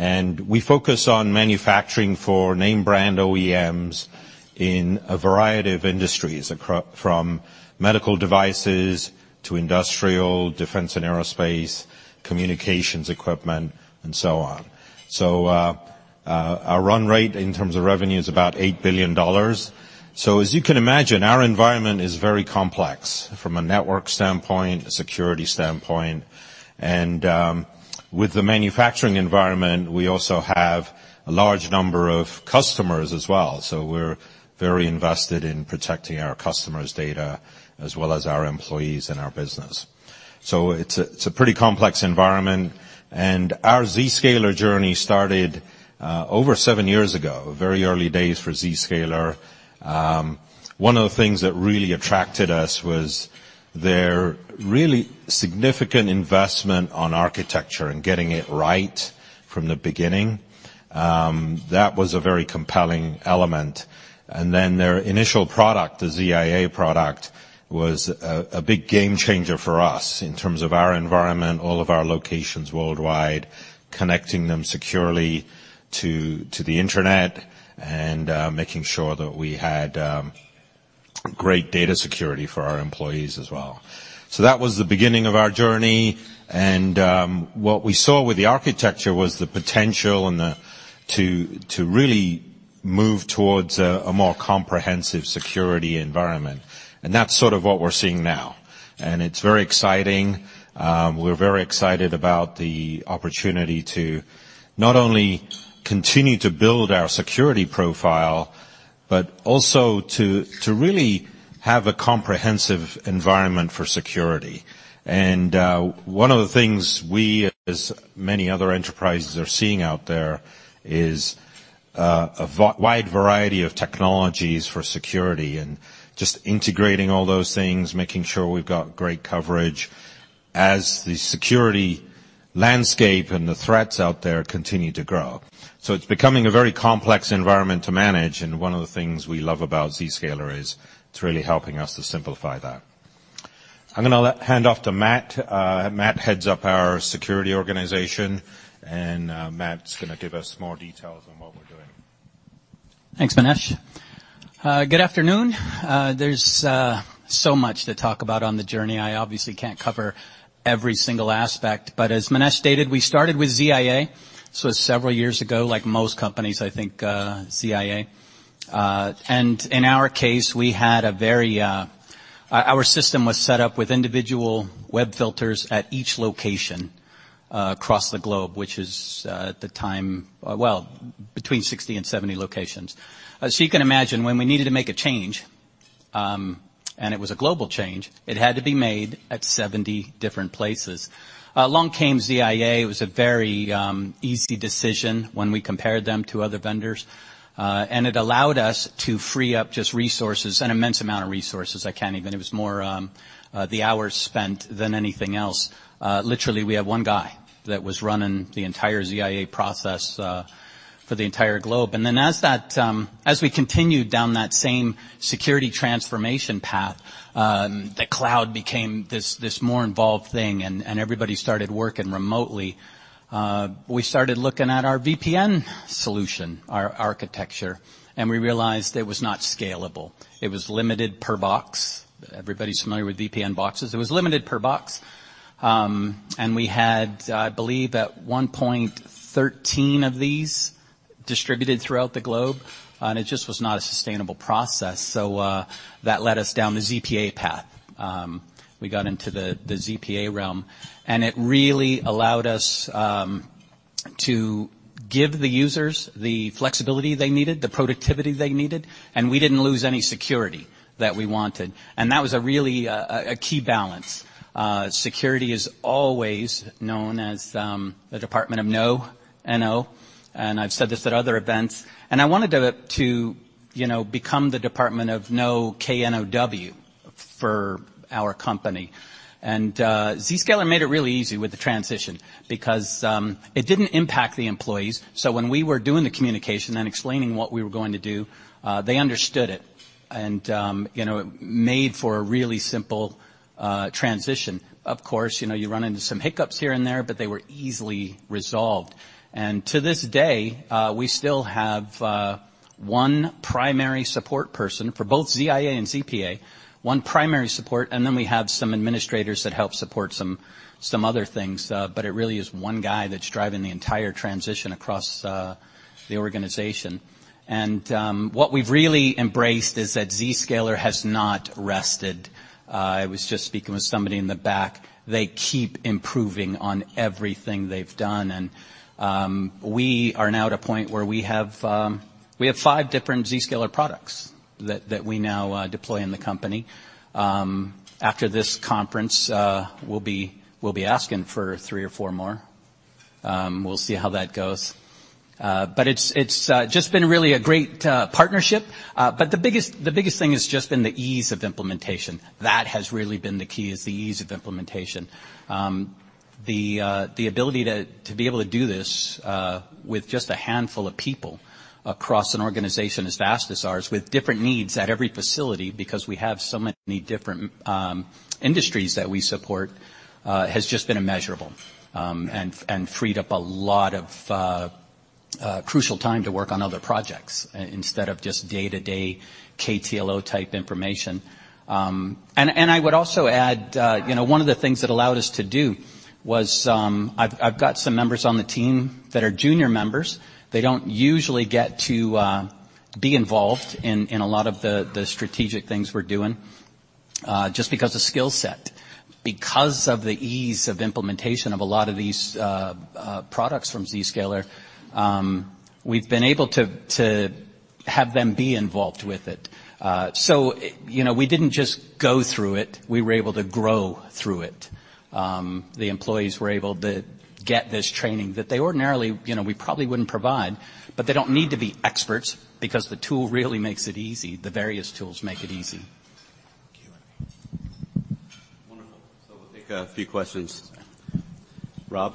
We focus on manufacturing for name brand OEMs in a variety of industries, from medical devices to industrial, defense and aerospace, communications equipment, and so on. Our run rate, in terms of revenue, is about $8 billion. As you can imagine, our environment is very complex from a network standpoint, a security standpoint, and with the manufacturing environment, we also have a large number of customers as well. We're very invested in protecting our customers' data, as well as our employees and our business. It's a pretty complex environment, and our Zscaler journey started over seven years ago, very early days for Zscaler. One of the things that really attracted us was their really significant investment on architecture and getting it right from the beginning. That was a very compelling element. Their initial product, the ZIA product, was a big game changer for us in terms of our environment, all of our locations worldwide, connecting them securely to the internet, and making sure that we had great data security for our employees as well. That was the beginning of our journey, and what we saw with the architecture was the potential to really move towards a more comprehensive security environment. That's sort of what we're seeing now, and it's very exciting. We're very excited about the opportunity to not only continue to build our security profile, but also to really have a comprehensive environment for security. One of the things we, as many other enterprises are seeing out there, is a wide variety of technologies for security, and just integrating all those things, making sure we've got great coverage as the security landscape and the threats out there continue to grow. It's becoming a very complex environment to manage, and one of the things we love about Zscaler is it's really helping us to simplify that. I'm gonna hand off to Matt. Matt heads up our security organization, and Matt's gonna give us more details on what we're doing. Thanks, Manesh. Good afternoon. There's so much to talk about on the journey. I obviously can't cover every single aspect, but as Manesh stated, we started with ZIA. This was several years ago. Like most companies, I think, ZIA. And in our case, we had a very, our system was set up with individual web filters at each location across the globe, which is at the time, well, between 60 and 70 locations. As you can imagine, when we needed to make a change, and it was a global change, it had to be made at 70 different places. Along came ZIA. It was a very easy decision when we compared them to other vendors, and it allowed us to free up just resources, an immense amount of resources. I can't even... It was more the hours spent than anything else. Literally, we had 1 guy that was running the entire ZIA process for the entire globe. As that, as we continued down that same security transformation path, the cloud became this more involved thing, and everybody started working remotely. We started looking at our VPN solution, our architecture, and we realized it was not scalable. It was limited per box. Everybody's familiar with VPN boxes. It was limited per box, and we had, I believe, at 1 point, 13 of these distributed throughout the globe, and it just was not a sustainable process. That led us down the ZPA path. We got into the ZPA realm. It really allowed us to give the users the flexibility they needed, the productivity they needed, we didn't lose any security that we wanted. That was a really key balance. Security is always known as the department of no, N-O. I've said this at other events. I wanted it to become the department of no, K-N-O-W, for our company. Zscaler made it really easy with the transition because it didn't impact the employees. When we were doing the communication and explaining what we were going to do, they understood it. It made for a really simple transition. Of course, you run into some hiccups here and there, but they were easily resolved. To this day, we still have 1 primary support person for both ZIA and ZPA, 1 primary support, and then we have some administrators that help support some other things, but it really is 1 guy that's driving the entire transition across the organization. What we've really embraced is that Zscaler has not rested. I was just speaking with somebody in the back. They keep improving on everything they've done, and we are now at a point where we have 5 different Zscaler products that we now deploy in the company. After this conference, we'll be asking for 3 or 4 more. We'll see how that goes. It's just been really a great partnership. The biggest thing has just been the ease of implementation. That has really been the key, is the ease of implementation. The ability to be able to do this with just a handful of people across an organization as vast as ours, with different needs at every facility, because we have so many different industries that we support, has just been immeasurable, and freed up a lot of crucial time to work on other projects instead of just day-to-day KTLO type information. I would also add, you know, one of the things it allowed us to do was... I've got some members on the team that are junior members. They don't usually get to be involved in a lot of the strategic things we're doing, just because of skill set. Because of the ease of implementation of a lot of these products from Zscaler, we've been able to have them be involved with it. you know, we didn't just go through it, we were able to grow through it. The employees were able to get this training that they ordinarily, you know, we probably wouldn't provide, but they don't need to be experts because the tool really makes it easy. The various tools make it easy. Wonderful. We'll take a few questions. Rob?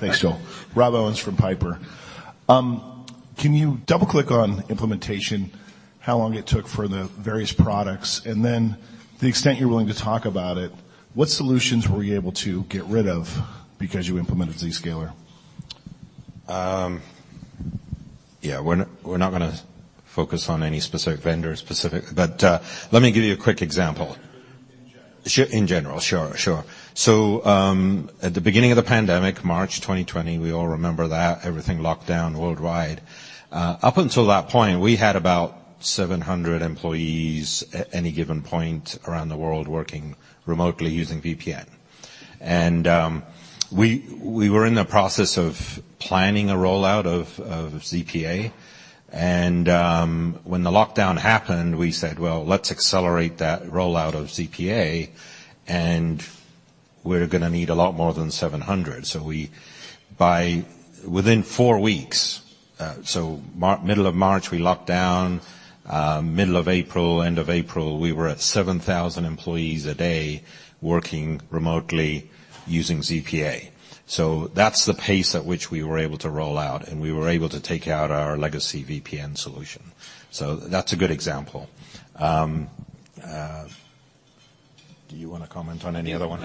Thanks, Joel. Rob Owens from Piper. Can you double-click on implementation, how long it took for the various products, and then the extent you're willing to talk about it, what solutions were you able to get rid of because you implemented Zscaler? Yeah, we're not gonna focus on any specific vendor specific, but let me give you a quick example. In general. Sure, in general. Sure, sure. At the beginning of the pandemic, March 2020, we all remember that, everything locked down worldwide. Up until that point, we had about 700 employees at any given point around the world working remotely using VPN. We were in the process of planning a rollout of ZPA, when the lockdown happened, we said: Well, let's accelerate that rollout of ZPA, and we're gonna need a lot more than 700. By within 4 weeks, middle of March, we locked down, middle of April, end of April, we were at 7,000 employees a day working remotely using ZPA. That's the pace at which we were able to roll out, and we were able to take out our legacy VPN solution. That's a good example. Do you wanna comment on any other one?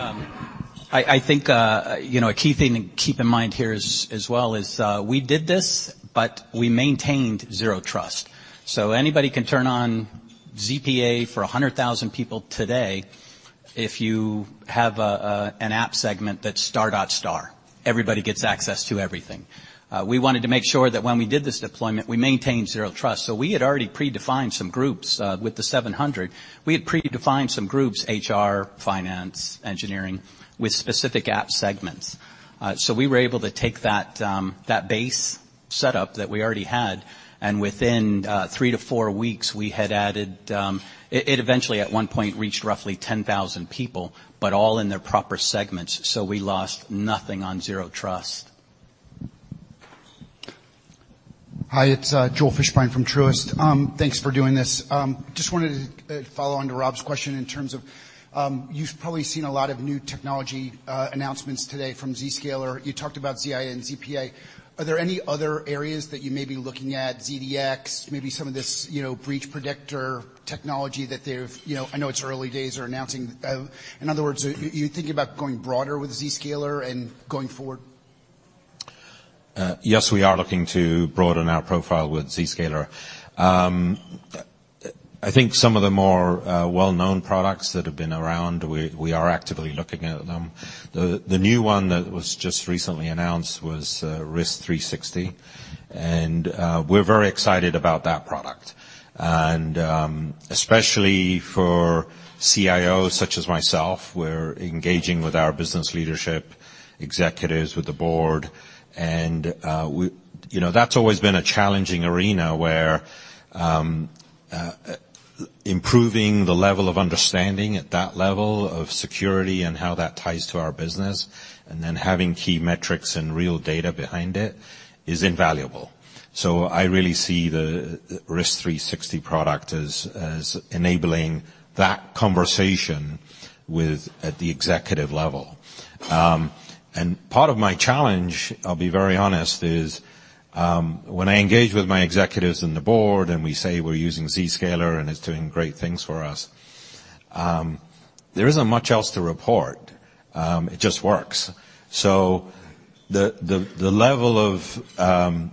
I think a key thing to keep in mind here as well is we did this, we maintained Zero Trust. Anybody can turn on ZPA for 100,000 people today if you have an app segment that's star dot star. Everybody gets access to everything. We wanted to make sure that when we did this deployment, we maintained Zero Trust. We had already predefined some groups with the 700. We had predefined some groups, HR, finance, engineering, with specific app segments. We were able to take that base setup that we already had, and within 3-4 weeks, we had added. It eventually at one point reached roughly 10,000 people, all in their proper segments, we lost nothing on Zero Trust. Hi, it's Joel Fishbein from Truist. Thanks for doing this. Just wanted to follow on to Rob's question in terms of you've probably seen a lot of new technology announcements today from Zscaler. You talked about ZIA and ZPA. Are there any other areas that you may be looking at, ZDX, maybe some of this, you know, Breach Predictor technology that they've? You know, I know it's early days they're announcing. In other words, are you thinking about going broader with Zscaler and going forward? Yes, we are looking to broaden our profile with Zscaler. I think some of the more well-known products that have been around, we are actively looking at them. The new one that was just recently announced was Risk 360, and we're very excited about that product. Especially for CIOs such as myself, we're engaging with our business leadership, executives, with the board, and you know, that's always been a challenging arena, where improving the level of understanding at that level of security and how that ties to our business, and then having key metrics and real data behind it, is invaluable. I really see the Risk 360 product as enabling that conversation with, at the executive level. Part of my challenge, I'll be very honest, is, when I engage with my executives and the board, and we say we're using Zscaler, and it's doing great things for us, there isn't much else to report. It just works. The level of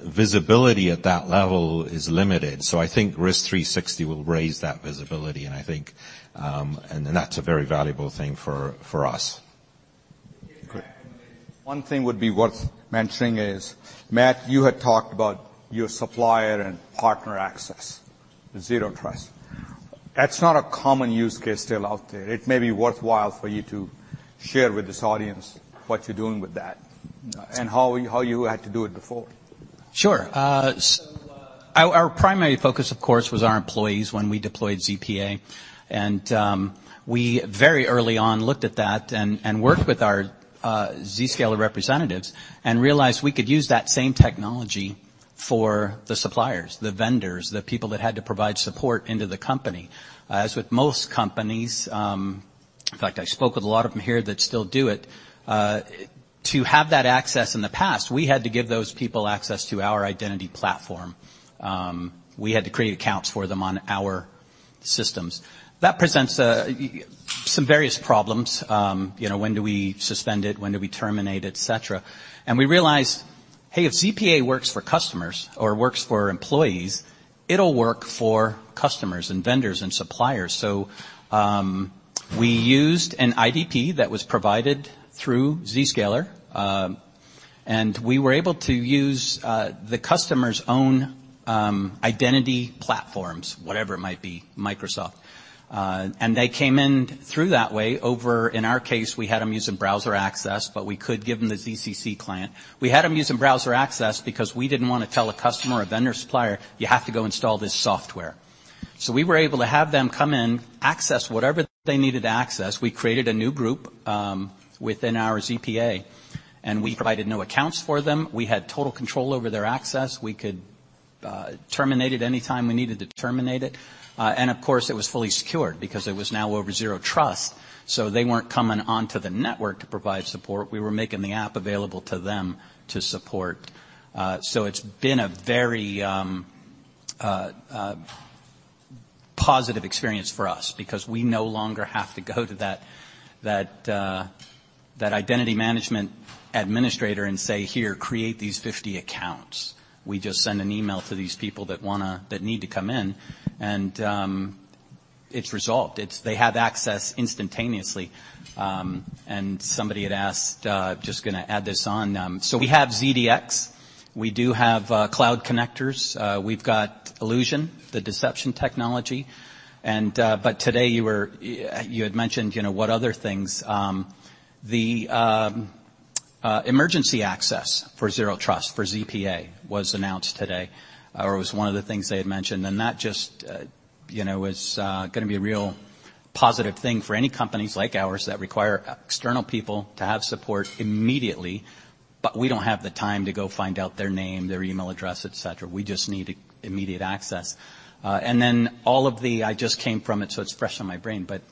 visibility at that level is limited, so I think Risk 360 will raise that visibility, and I think, and that's a very valuable thing for us. Great. One thing would be worth mentioning is, Matt, you had talked about your supplier and partner access, Zero Trust. That's not a common use case still out there. It may be worthwhile for you to share with this audience what you're doing with that, and how you had to do it before. Sure. Our primary focus, of course, was our employees when we deployed ZPA. We very early on, looked at that and worked with our Zscaler representatives and realized we could use that same technology for the suppliers, the vendors, the people that had to provide support into the company. As with most companies. In fact, I spoke with a lot of them here that still do it. To have that access in the past, we had to give those people access to our identity platform. We had to create accounts for them on our systems. That presents some various problems, you know, when do we suspend it, when do we terminate it, et cetera. We realized, hey, if ZPA works for customers or works for employees, it'll work for customers and vendors and suppliers. We used an IdP that was provided through Zscaler, and we were able to use the customer's own identity platforms, whatever it might be, Microsoft. And they came in through that way. In our case, we had them using browser access, but we could give them the ZCC client. We had them using browser access because we didn't want to tell a customer or vendor, supplier, "You have to go install this software." We were able to have them come in, access whatever they needed to access. We created a new group within our ZPA, and we provided new accounts for them. We had total control over their access. We could terminate it anytime we needed to terminate it. Of course, it was fully secured because it was now over Zero Trust, so they weren't coming onto the network to provide support. We were making the app available to them to support. It's been a very positive experience for us because we no longer have to go to that identity management administrator and say, "Here, create these 50 accounts." We just send an email to these people that need to come in, and it's resolved. They have access instantaneously. Somebody had asked, just gonna add this on. We have ZDX. We do have Cloud Connectors. We've got IllusionBLACK, the deception technology. But today, you had mentioned, you know, what other things, the emergency access for Zero Trust, for ZPA, was announced today, or was one of the things they had mentioned. That just, you know, is gonna be a real positive thing for any companies like ours that require external people to have support immediately, but we don't have the time to go find out their name, their email address, et cetera. We just need immediate access. Then all of the... I just came from it, so it's fresh in my brain, but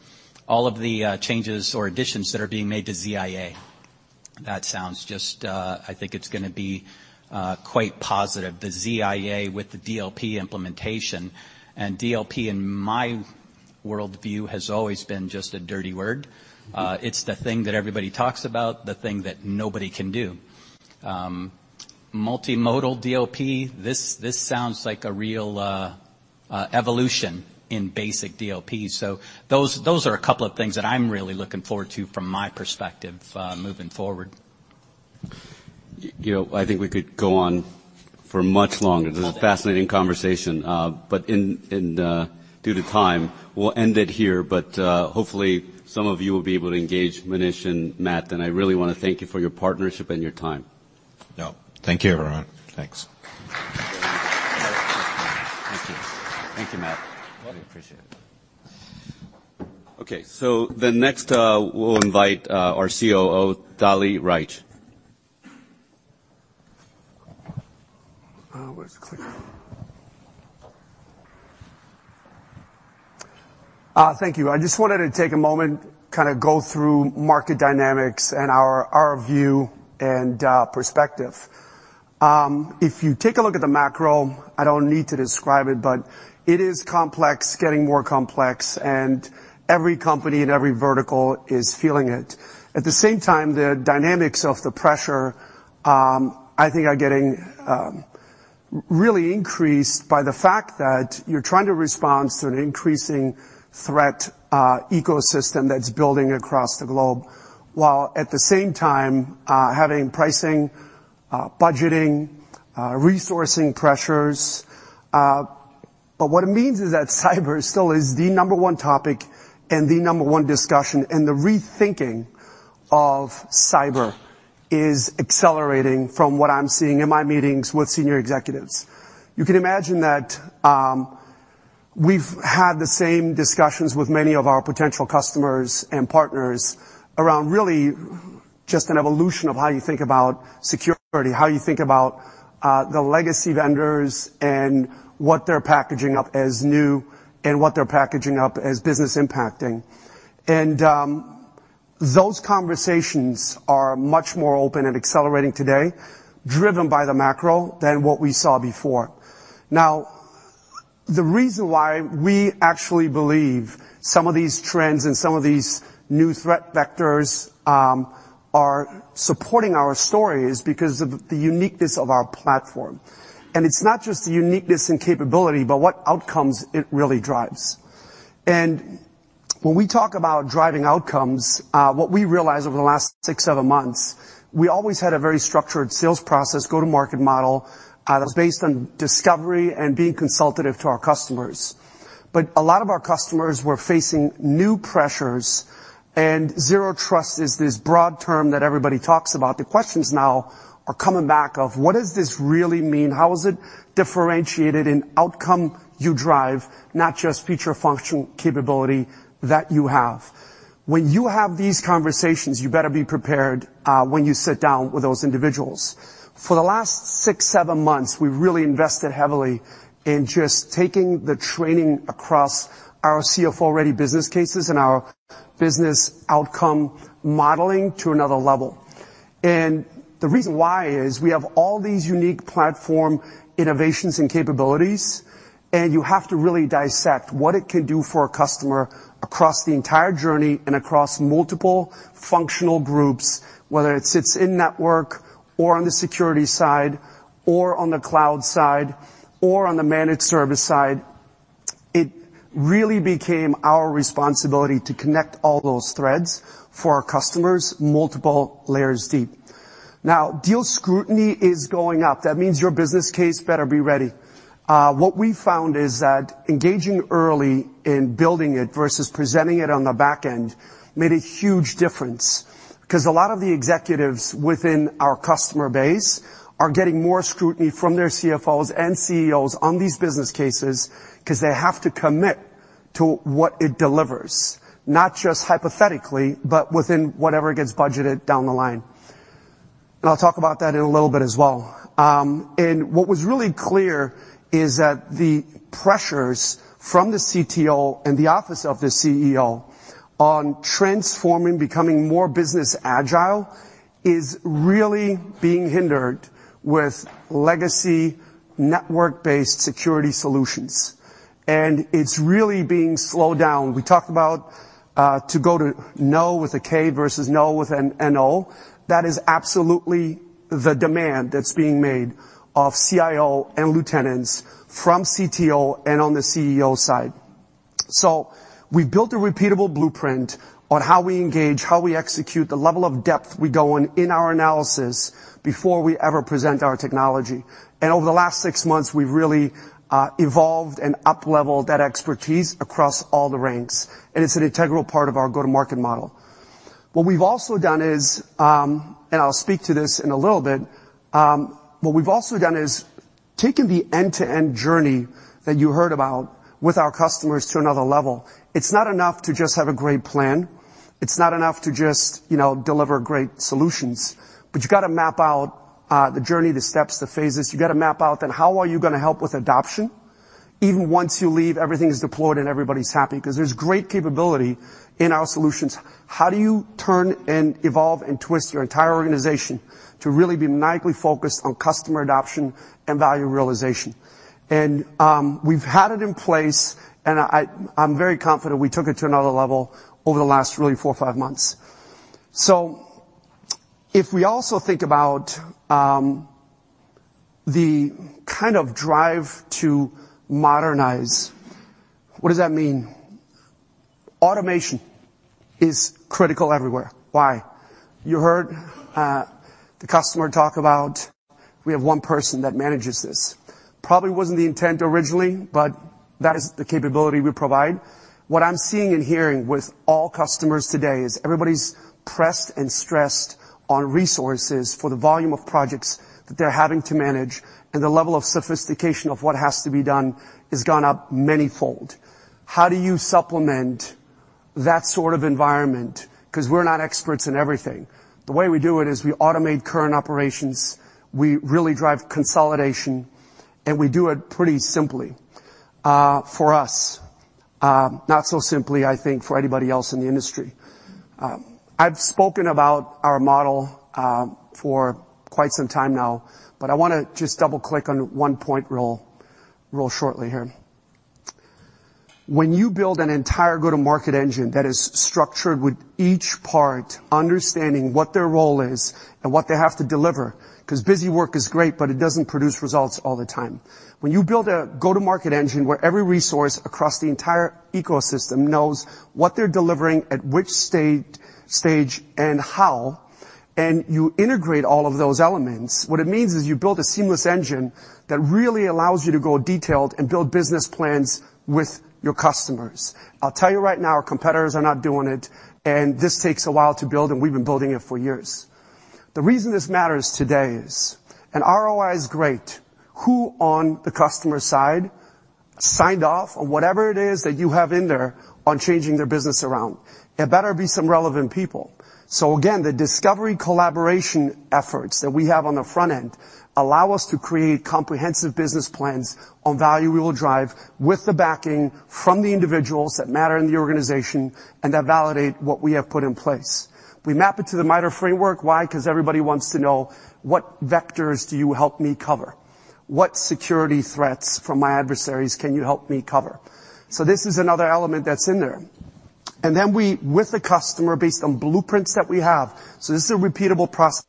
all of the changes or additions that are being made to ZIA, that sounds just, I think it's gonna be quite positive. The ZIA with the DLP implementation, and DLP, in my worldview, has always been just a dirty word. It's the thing that everybody talks about, the thing that nobody can do. Multi-Modal DLP, this sounds like a real evolution in basic DLP. Those are a couple of things that I'm really looking forward to from my perspective, moving forward. you know, I think we could go on for much longer. Okay. This is a fascinating conversation. In due to time, we'll end it here, but hopefully, some of you will be able to engage Manesh and Matt, and I really wanna thank you for your partnership and your time. No, thank you, everyone. Thanks. Thank you. Thank you, Matt. Welcome. I appreciate it. Okay, next, we'll invite, our COO, Dali Rajic. Where's the clicker? Thank you. I just wanted to take a moment, kind of go through market dynamics and our view and perspective. If you take a look at the macro, I don't need to describe it, but it is complex, getting more complex, and every company in every vertical is feeling it. At the same time, the dynamics of the pressure, I think are getting really increased by the fact that you're trying to respond to an increasing threat ecosystem that's building across the globe, while at the same time, having pricing, budgeting, resourcing pressures. What it means is that cyber still is the number 1 topic and the number 1 discussion, and the rethinking of cyber is accelerating from what I'm seeing in my meetings with senior executives. You can imagine that, we've had the same discussions with many of our potential customers and partners around really just an evolution of how you think about security, how you think about the legacy vendors and what they're packaging up as new and what they're packaging up as business impacting. Those conversations are much more open and accelerating today, driven by the macro than what we saw before. The reason why we actually believe some of these trends and some of these new threat vectors are supporting our story is because of the uniqueness of our platform. It's not just the uniqueness and capability, but what outcomes it really drives. When we talk about driving outcomes, what we realized over the last 6, 7 months, we always had a very structured sales process, go-to-market model, that was based on discovery and being consultative to our customers. A lot of our customers were facing new pressures, and zero trust is this broad term that everybody talks about. The questions now are coming back of: What does this really mean? How is it differentiated in outcome you drive, not just feature functional capability that you have? When you have these conversations, you better be prepared, when you sit down with those individuals. For the last 6, 7 months, we've really invested heavily in just taking the training across our CFO-ready business cases and our business outcome modeling to another level. The reason why is we have all these unique platform innovations and capabilities, and you have to really dissect what it can do for a customer across the entire journey and across multiple functional groups, whether it sits in-network or on the security side, or on the cloud side, or on the managed service side. It really became our responsibility to connect all those threads for our customers, multiple layers deep. Deal scrutiny is going up. That means your business case better be ready. What we found is that engaging early in building it versus presenting it on the back end made a huge difference, 'cause a lot of the executives within our customer base are getting more scrutiny from their CFOs and CEOs on these business cases, 'cause they have to commit to what it delivers, not just hypothetically, but within whatever gets budgeted down the line. I'll talk about that in a little bit as well. What was really clear is that the pressures from the CTO and the office of the CEO on transforming, becoming more business agile, is really being hindered with legacy network-based security solutions, and it's really being slowed down. We talked about to go to know with a K versus no with an N-O. That is absolutely the demand that's being made of CIO and lieutenants from CTO and on the CEO side. We've built a repeatable blueprint on how we engage, how we execute, the level of depth we go in our analysis before we ever present our technology. Over the last six months, we've really evolved and upleveled that expertise across all the ranks, and it's an integral part of our go-to-market model. I'll speak to this in a little bit, what we've also done is taken the end-to-end journey that you heard about with our customers to another level. It's not enough to just have a great plan. It's not enough to just, you know, deliver great solutions. You've got to map out the journey, the steps, the phases. You've got to map out then how are you going to help with adoption, even once you leave, everything is deployed, and everybody's happy? 'Cause there's great capability in our solutions. How do you turn and evolve and twist your entire organization to really be maniacally focused on customer adoption and value realization? We've had it in place, and I'm very confident we took it to another level over the last really four or five months. If we also think about the kind of drive to modernize, what does that mean? Automation is critical everywhere. Why? You heard the customer talk about, we have one person that manages this. Probably wasn't the intent originally, but that is the capability we provide. What I'm seeing and hearing with all customers today is everybody's pressed and stressed on resources for the volume of projects that they're having to manage, and the level of sophistication of what has to be done has gone up manyfold. How do you supplement that sort of environment? 'Cause we're not experts in everything. The way we do it is we automate current operations, we really drive consolidation, and we do it pretty simply for us. Not so simply, I think, for anybody else in the industry. I've spoken about our model for quite some time now, but I wanna just double-click on one point real shortly here. When you build an entire go-to-market engine that is structured with each part, understanding what their role is and what they have to deliver, 'cause busy work is great, but it doesn't produce results all the time. When you build a go-to-market engine where every resource across the entire ecosystem knows what they're delivering, at which stage, and how, and you integrate all of those elements, what it means is you build a seamless engine that really allows you to go detailed and build business plans with your customers. I'll tell you right now, our competitors are not doing it, and this takes a while to build, and we've been building it for years. The reason this matters today is, and ROI is great, who on the customer side signed off on whatever it is that you have in there on changing their business around? It better be some relevant people. Again, the discovery collaboration efforts that we have on the front end allow us to create comprehensive business plans on value we will drive with the backing from the individuals that matter in the organization and that validate what we have put in place. We map it to the MITRE framework. Why? 'Cause everybody wants to know: What vectors do you help me cover? What security threats from my adversaries can you help me cover? This is another element that's in there. Then we, with the customer, based on blueprints that we have, this is a repeatable process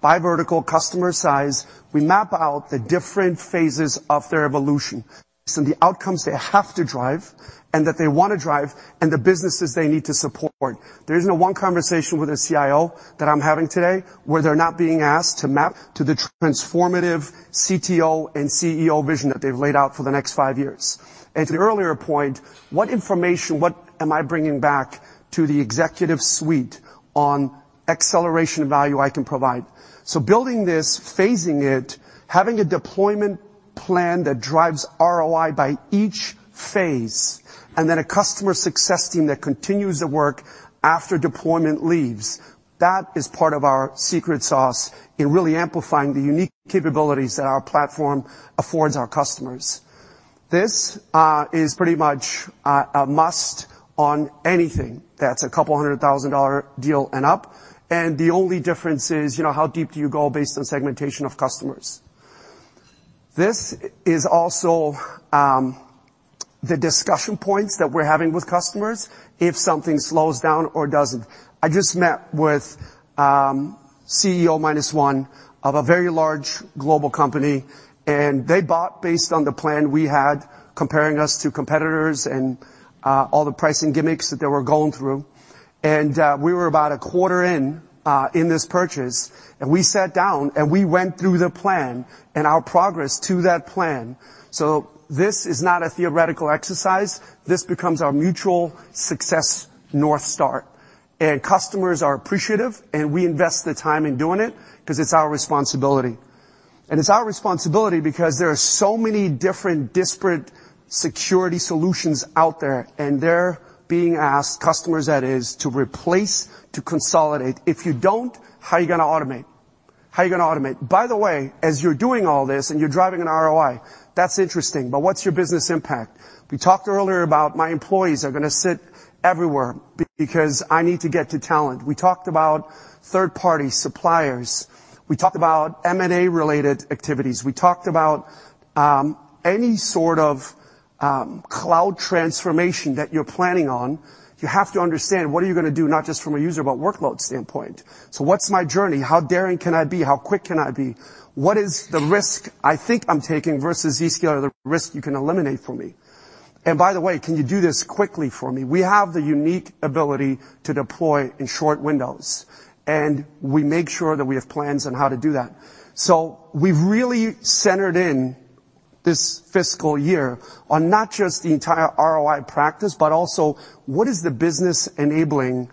by vertical customer size, we map out the different phases of their evolution. The outcomes they have to drive and that they wanna drive, and the businesses they need to support. There isn't a one conversation with a CIO that I'm having today, where they're not being asked to map to the transformative CTO and CEO vision that they've laid out for the next 5 years. To the earlier point, what information, what am I bringing back to the executive suite on acceleration and value I can provide? Building this, phasing it, having a deployment plan that drives ROI by each phase, and then a customer success team that continues the work after deployment leaves, that is part of our secret sauce in really amplifying the unique capabilities that our platform affords our customers. This is pretty much a must on anything that's a couple $100,000 deal and up, and the only difference is, you know, how deep do you go based on segmentation of customers? This is also the discussion points that we're having with customers if something slows down or doesn't. I just met with CEO minus one of a very large global company, they bought based on the plan we had, comparing us to competitors and all the pricing gimmicks that they were going through. We were about a quarter in this purchase, we sat down, and we went through the plan and our progress to that plan. This is not a theoretical exercise. This becomes our mutual success North Star. Customers are appreciative, and we invest the time in doing it 'cause it's our responsibility. It's our responsibility because there are so many different disparate security solutions out there, and they're being asked, customers that is, to replace, to consolidate. If you don't, how are you gonna automate? How are you gonna automate? By the way, as you're doing all this and you're driving an ROI, that's interesting, but what's your business impact? We talked earlier about my employees are gonna sit everywhere because I need to get to talent. We talked about third-party suppliers. We talked about M&A-related activities. We talked about any sort of cloud transformation that you're planning on, you have to understand what are you gonna do, not just from a user, but workload standpoint. What's my journey? How daring can I be? How quick can I be? What is the risk I think I'm taking versus Zscaler, the risk you can eliminate for me? By the way, can you do this quickly for me? We have the unique ability to deploy in short windows, and we make sure that we have plans on how to do that. We've really centered in this fiscal year on not just the entire ROI practice, but also what is the business-enabling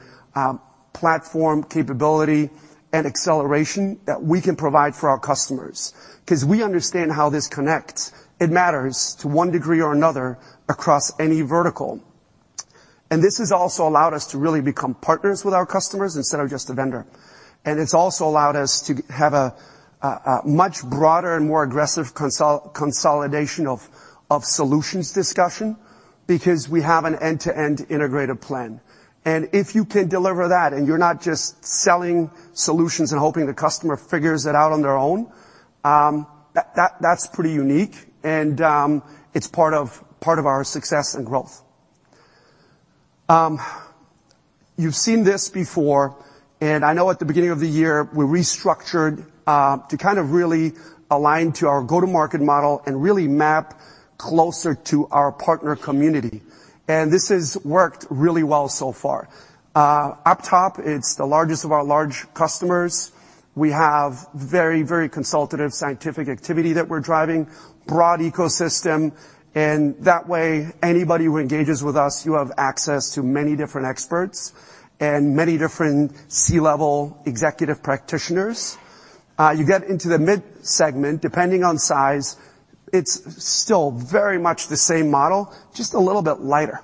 platform capability and acceleration that we can provide for our customers? Because we understand how this connects. It matters to one degree or another across any vertical. This has also allowed us to really become partners with our customers instead of just a vendor. It's also allowed us to have a much broader and more aggressive consolidation of solutions discussion because we have an end-to-end integrated plan. If you can deliver that, and you're not just selling solutions and hoping the customer figures it out on their own, that's pretty unique and it's part of our success and growth. You've seen this before, I know at the beginning of the year, we restructured to kind of really align to our go-to-market model and really map closer to our partner community. This has worked really well so far. Up top, it's the largest of our large customers. We have very, very consultative scientific activity that we're driving, broad ecosystem, and that way, anybody who engages with us, you have access to many different experts and many different C-level executive practitioners. You get into the mid segment, depending on size, it's still very much the same model, just a little bit lighter.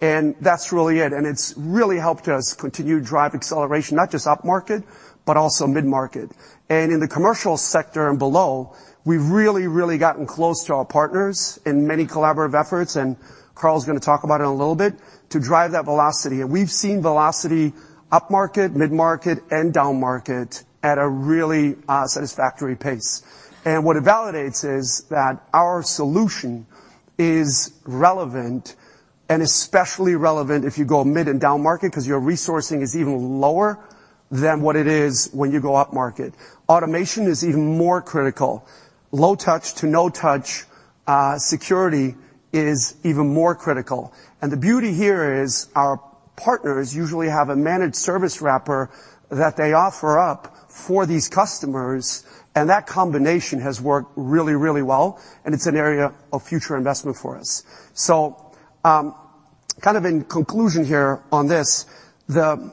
That's really it, and it's really helped us continue to drive acceleration, not just upmarket, but also mid-market. In the commercial sector and below, we've really gotten close to our partners in many collaborative efforts, and Karl's gonna talk about it in a little bit, to drive that velocity. We've seen velocity upmarket, mid-market, and downmarket at a really satisfactory pace. What it validates is that our solution is relevant, and especially relevant if you go mid and downmarket, 'cause your resourcing is even lower than what it is when you go upmarket. Automation is even more critical. Low-touch to no-touch security is even more critical. The beauty here is, our partners usually have a managed service wrapper that they offer up for these customers, and that combination has worked really well, and it's an area of future investment for us. Kind of in conclusion here on this, the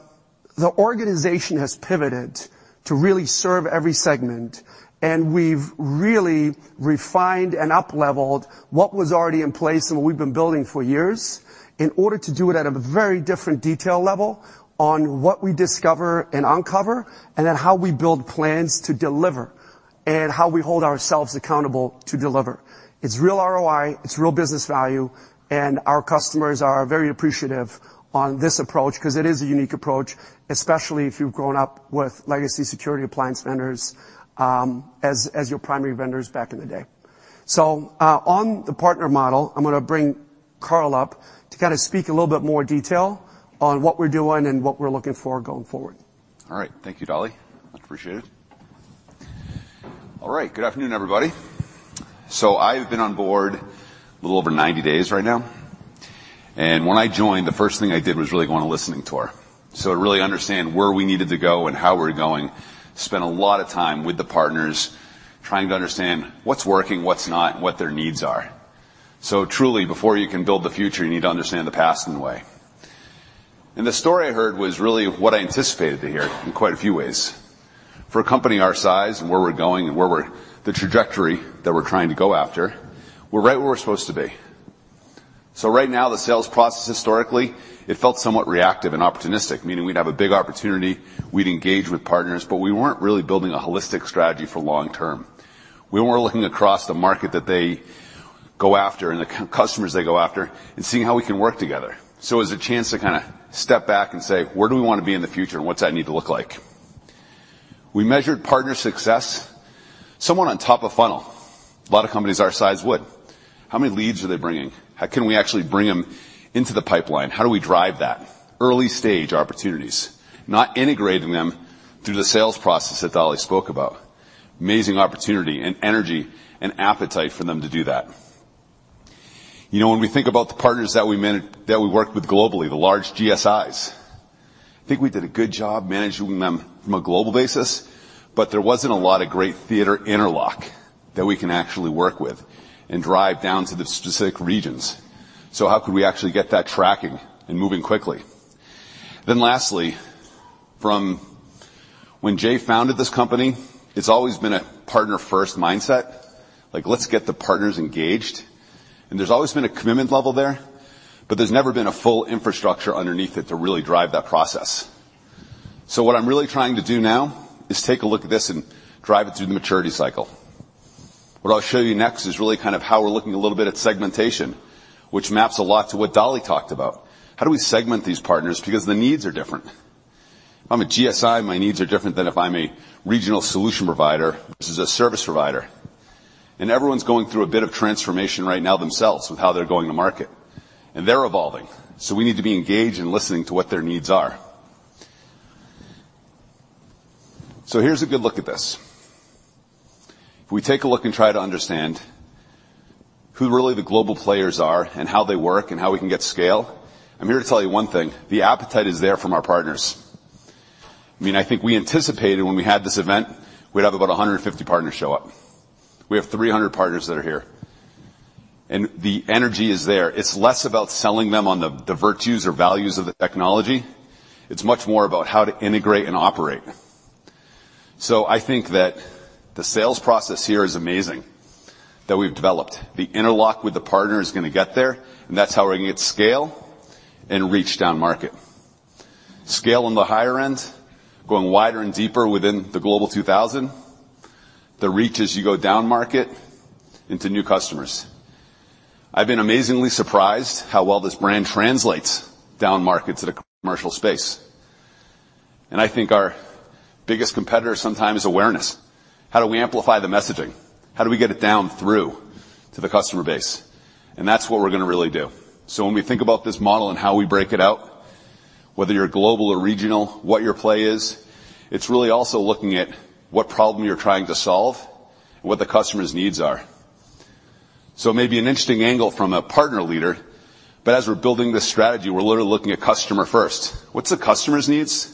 organization has pivoted to really serve every segment, and we've really refined and upleveled what was already in place and what we've been building for years, in order to do it at a very different detail level on what we discover and uncover, and then how we build plans to deliver, and how we hold ourselves accountable to deliver. It's real ROI, it's real business value, and our customers are very appreciative on this approach, 'cause it is a unique approach, especially if you've grown up with legacy security appliance vendors, as your primary vendors back in the day. On the partner model, I'm gonna bring Karl up to kinda speak a little bit more detail on what we're doing and what we're looking for going forward. All right. Thank you, Dali. Much appreciated. All right. Good afternoon, everybody. I've been on board a little over 90 days right now, and when I joined, the first thing I did was really go on a listening tour. To really understand where we needed to go and how we're going, spent a lot of time with the partners, trying to understand what's working, what's not, and what their needs are. Truly, before you can build the future, you need to understand the past in a way. The story I heard was really what I anticipated to hear in quite a few ways. For a company our size, and where we're going, the trajectory that we're trying to go after, we're right where we're supposed to be. Right now, the sales process, historically, it felt somewhat reactive and opportunistic, meaning we'd have a big opportunity, we'd engage with partners, but we weren't really building a holistic strategy for long term. We weren't looking across the market that they go after and the customers they go after, and seeing how we can work together. It was a chance to kinda step back and say: Where do we wanna be in the future, and what's that need to look like? We measured partner success, someone on top of funnel. A lot of companies our size would. How many leads are they bringing? How can we actually bring them into the pipeline? How do we drive that? Early-stage opportunities, not integrating them through the sales process that Dali spoke about. Amazing opportunity and energy and appetite for them to do that. You know, when we think about the partners that we manage, that we work with globally, the large GSIs, I think we did a good job managing them from a global basis, but there wasn't a lot of great theater interlock that we can actually work with and drive down to the specific regions. How could we actually get that tracking and moving quickly? Lastly, from when Jay founded this company, it's always been a partner-first mindset, like, "Let's get the partners engaged." There's always been a commitment level there, but there's never been a full infrastructure underneath it to really drive that process. What I'm really trying to do now is take a look at this and drive it through the maturity cycle. What I'll show you next is really kind of how we're looking a little bit at segmentation, which maps a lot to what Dali talked about. How do we segment these partners? Because the needs are different. If I'm a GSI, my needs are different than if I'm a regional solution provider versus a service provider, and everyone's going through a bit of transformation right now themselves, with how they're going to market. They're evolving, so we need to be engaged and listening to what their needs are. Here's a good look at this. If we take a look and try to understand who really the global players are and how they work and how we can get scale, I'm here to tell you one thing: The appetite is there from our partners. I mean, I think we anticipated when we had this event, we'd have about 150 partners show up. We have 300 partners that are here, and the energy is there. It's less about selling them on the virtues or values of the technology, it's much more about how to integrate and operate. I think that the sales process here is amazing, that we've developed. The interlock with the partner is gonna get there, and that's how we're gonna get scale and reach downmarket. Scale on the higher end, going wider and deeper within the Global 2000, the reach as you go downmarket into new customers. I've been amazingly surprised how well this brand translates downmarket to the commercial space, and I think our biggest competitor sometimes is awareness. How do we amplify the messaging? How do we get it down through to the customer base? That's what we're gonna really do. When we think about this model and how we break it out, whether you're global or regional, what your play is, it's really also looking at what problem you're trying to solve and what the customer's needs are. It may be an interesting angle from a partner leader, but as we're building this strategy, we're literally looking at customer first. What's the customer's needs?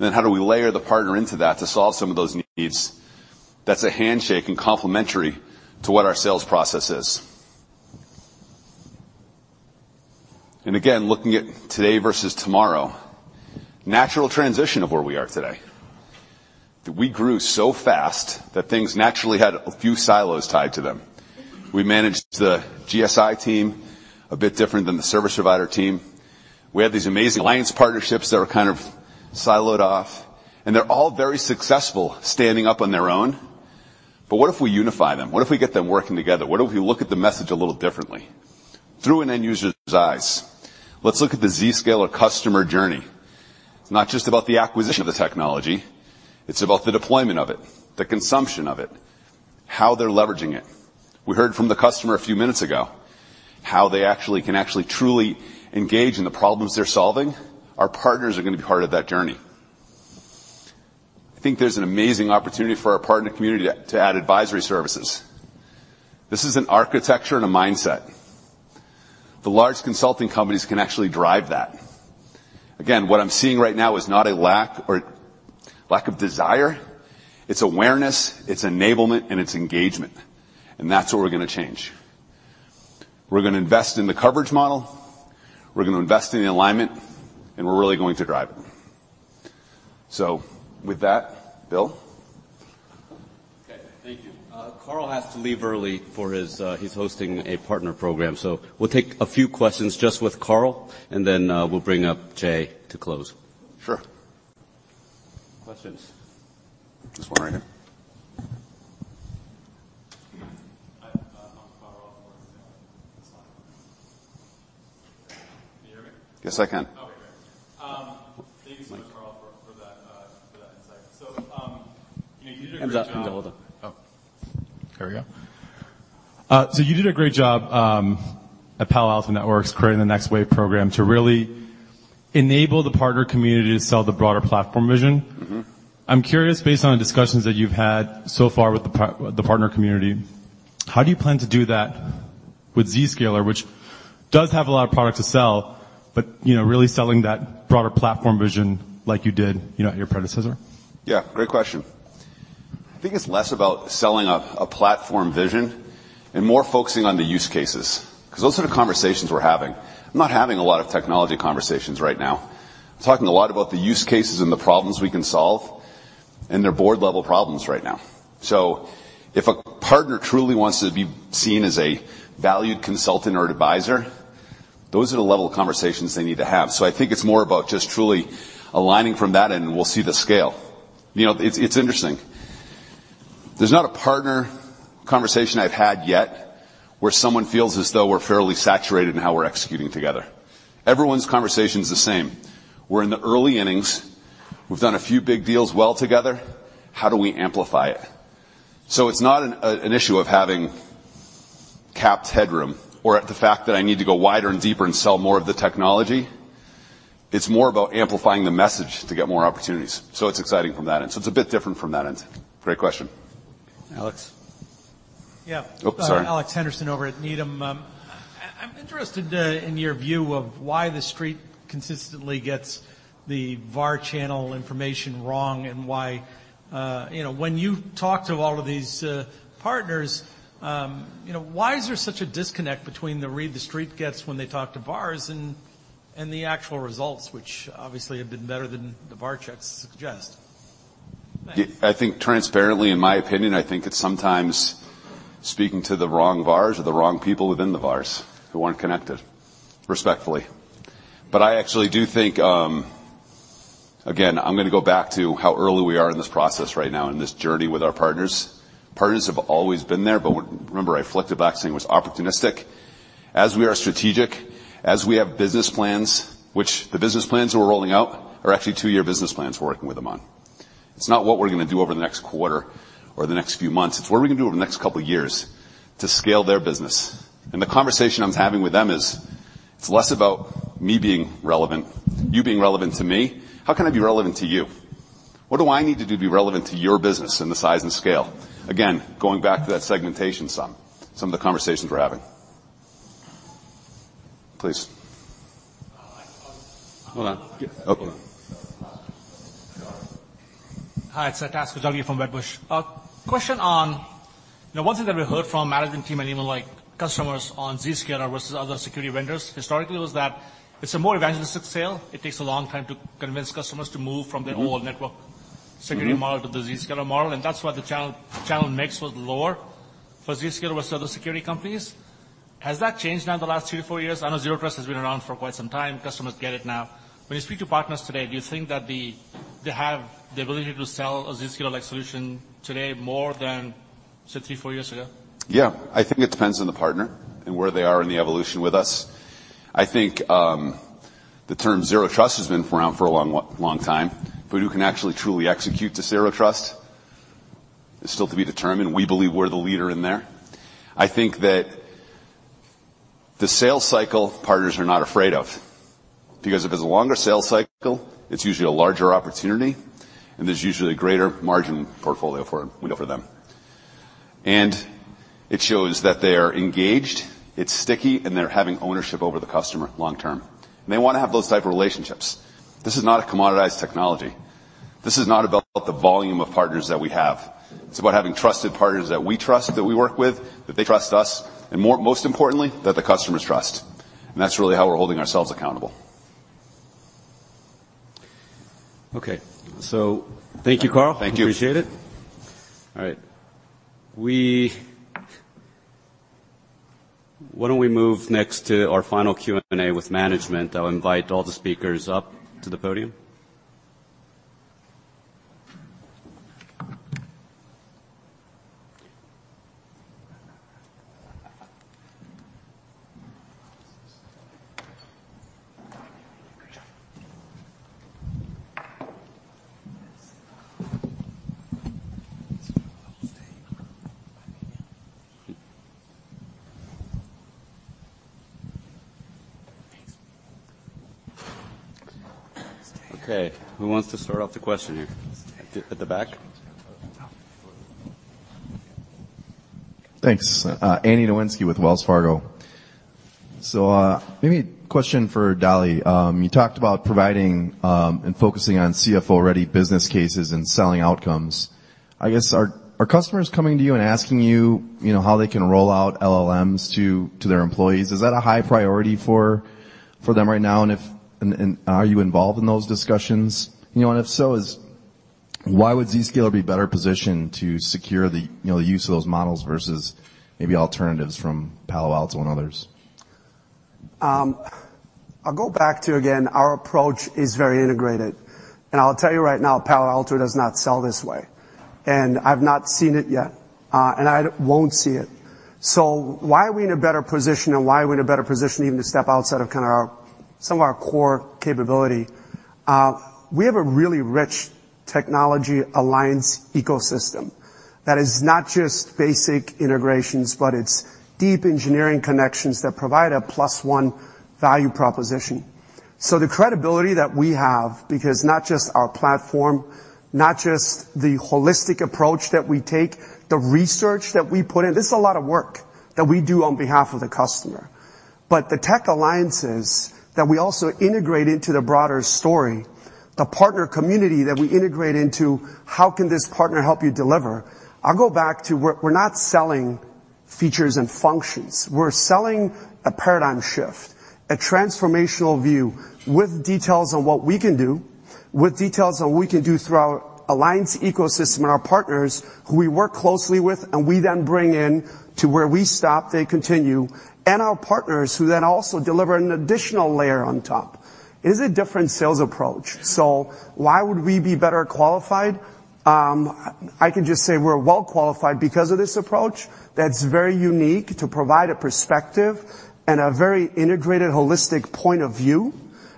How do we layer the partner into that to solve some of those needs? That's a handshake and complementary to what our sales process is. Again, looking at today versus tomorrow, natural transition of where we are today, that we grew so fast that things naturally had a few silos tied to them. We managed the GSI team a bit different than the service provider team. We had these amazing alliance partnerships that were kind of siloed off, and they're all very successful standing up on their own. What if we unify them? What if we get them working together? What if we look at the message a little differently through an end user's eyes? Let's look at the Zscaler customer journey. It's not just about the acquisition of the technology, it's about the deployment of it, the consumption of it, how they're leveraging it. We heard from the customer a few minutes ago, how they actually can truly engage in the problems they're solving. Our partners are gonna be part of that journey. I think there's an amazing opportunity for our partner community to add advisory services. This is an architecture and a mindset. The large consulting companies can actually drive that. Again, what I'm seeing right now is not a lack or lack of desire. It's awareness, it's enablement, and it's engagement. That's what we're gonna change. We're gonna invest in the coverage model, we're gonna invest in the alignment. We're really going to drive it. With that, Bill? Okay, thank you. Karl has to leave early for his, he's hosting a partner program, we'll take a few questions just with Karl, then we'll bring up Jay to close. Sure. Questions? This one right here. Hi, Karl. Can you hear me? Yes, I can. Okay, great. Thank you so much, Karl, for that insight. You know, you did a great job. Hold up. Oh, here we go. You did a great job, at Palo Alto Networks, creating the NextWave program to really enable the partner community to sell the broader platform vision. Mm-hmm. I'm curious, based on the discussions that you've had so far with the partner community, how do you plan to do that with Zscaler, which does have a lot of product to sell, but, you know, really selling that broader platform vision like you did, you know, at your predecessor? Yeah, great question. I think it's less about selling a platform vision and more focusing on the use cases, 'cause those are the conversations we're having. I'm not having a lot of technology conversations right now. I'm talking a lot about the use cases and the problems we can solve, and they're board-level problems right now. If a partner truly wants to be seen as a valued consultant or advisor, those are the level of conversations they need to have. I think it's more about just truly aligning from that, and we'll see the scale. You know, it's interesting. There's not a partner conversation I've had yet where someone feels as though we're fairly saturated in how we're executing together. Everyone's conversation is the same. We're in the early innings. We've done a few big deals well together. How do we amplify it? It's not an issue of having capped headroom or the fact that I need to go wider and deeper and sell more of the technology. It's more about amplifying the message to get more opportunities. It's exciting from that end. It's a bit different from that end. Great question. Alex? Yeah. Oh, sorry. Alex Henderson over at Needham. I'm interested in your view of why the street consistently gets the VAR channel information wrong, and why, you know, when you talk to all of these partners, you know, why is there such a disconnect between the read the street gets when they talk to VARs and the actual results, which obviously have been better than the VAR checks suggest? I think transparently, in my opinion, I think it's sometimes speaking to the wrong VARs or the wrong people within the VARs who aren't connected, respectfully. I actually do think, Again, I'm gonna go back to how early we are in this process right now, in this journey with our partners. Partners have always been there, remember, I reflected back saying it was opportunistic. As we are strategic, as we have business plans, which the business plans we're rolling out, are actually 2-year business plans we're working with them on. It's not what we're gonna do over the next quarter or the next few months. It's what are we gonna do over the next couple of years to scale their business? The conversation I'm having with them is, it's less about me being relevant, you being relevant to me. How can I be relevant to you? What do I need to do to be relevant to your business and the size and scale? Again, going back to that segmentation some of the conversations we're having. Please. Hold on. Okay. Hi, it's Tazeen Ahmad from Redburn Atlantic. Question on, now, one thing that we heard from management team and even like customers on Zscaler versus other security vendors, historically, was that it's a more evangelistic sale. It takes a long time to convince customers to move from their old network. Mm-hmm. -security model to the Zscaler model, and that's why the channel mix was lower for Zscaler versus other security companies. Has that changed now in the last 2 to 4 years? I know Zero Trust has been around for quite some time. Customers get it now. When you speak to partners today, do you think that they have the ability to sell a Zscaler-like solution today more than, say, 3, 4 years ago? I think it depends on the partner and where they are in the evolution with us. I think, the term Zero Trust has been around for a long, long time, but who can actually truly execute to Zero Trust? Is still to be determined. We believe we're the leader in there. I think that the sales cycle, partners are not afraid of, because if it's a longer sales cycle, it's usually a larger opportunity, and there's usually greater margin portfolio for, you know, for them. It shows that they are engaged, it's sticky, and they're having ownership over the customer long term. They want to have those type of relationships. This is not a commoditized technology. This is not about the volume of partners that we have. It's about having trusted partners that we trust, that we work with, that they trust us, and most importantly, that the customers trust. That's really how we're holding ourselves accountable. Okay. Thank you, Karl. Thank you. Appreciate it. All right. Why don't we move next to our final Q&A with management? I'll invite all the speakers up to the podium. Okay, who wants to start off the question here? At the back. Thanks. Andrew Nowinski with Wells Fargo. Maybe a question for Dali. You talked about providing, and focusing on CFO-ready business cases and selling outcomes. I guess, are customers coming to you and asking you know, how they can roll out LLMs to their employees? Is that a high priority for them right now, and are you involved in those discussions? You know, and if so, why would Zscaler be better positioned to secure the, you know, the use of those models versus maybe alternatives from Palo Alto and others? I'll go back to again, our approach is very integrated. I'll tell you right now, Palo Alto does not sell this way, and I've not seen it yet, and I won't see it. Why are we in a better position, and why are we in a better position even to step outside of kinda our some of our core capability? We have a really rich technology alliance ecosystem that is not just basic integrations, but it's deep engineering connections that provide a plus one value proposition. The credibility that we have, because not just our platform, not just the holistic approach that we take, the research that we put in, this is a lot of work that we do on behalf of the customer. The tech alliances that we also integrate into the broader story, the partner community that we integrate into, how can this partner help you deliver? I'll go back to we're not selling features and functions. We're selling a paradigm shift, a transformational view with details on what we can do, with details on what we can do through our alliance ecosystem and our partners who we work closely with, and we then bring in to where we stop, they continue, and our partners who then also deliver an additional layer on top. It is a different sales approach. Why would we be better qualified? I can just say we're well qualified because of this approach that's very unique to provide a perspective and a very integrated, holistic point of view.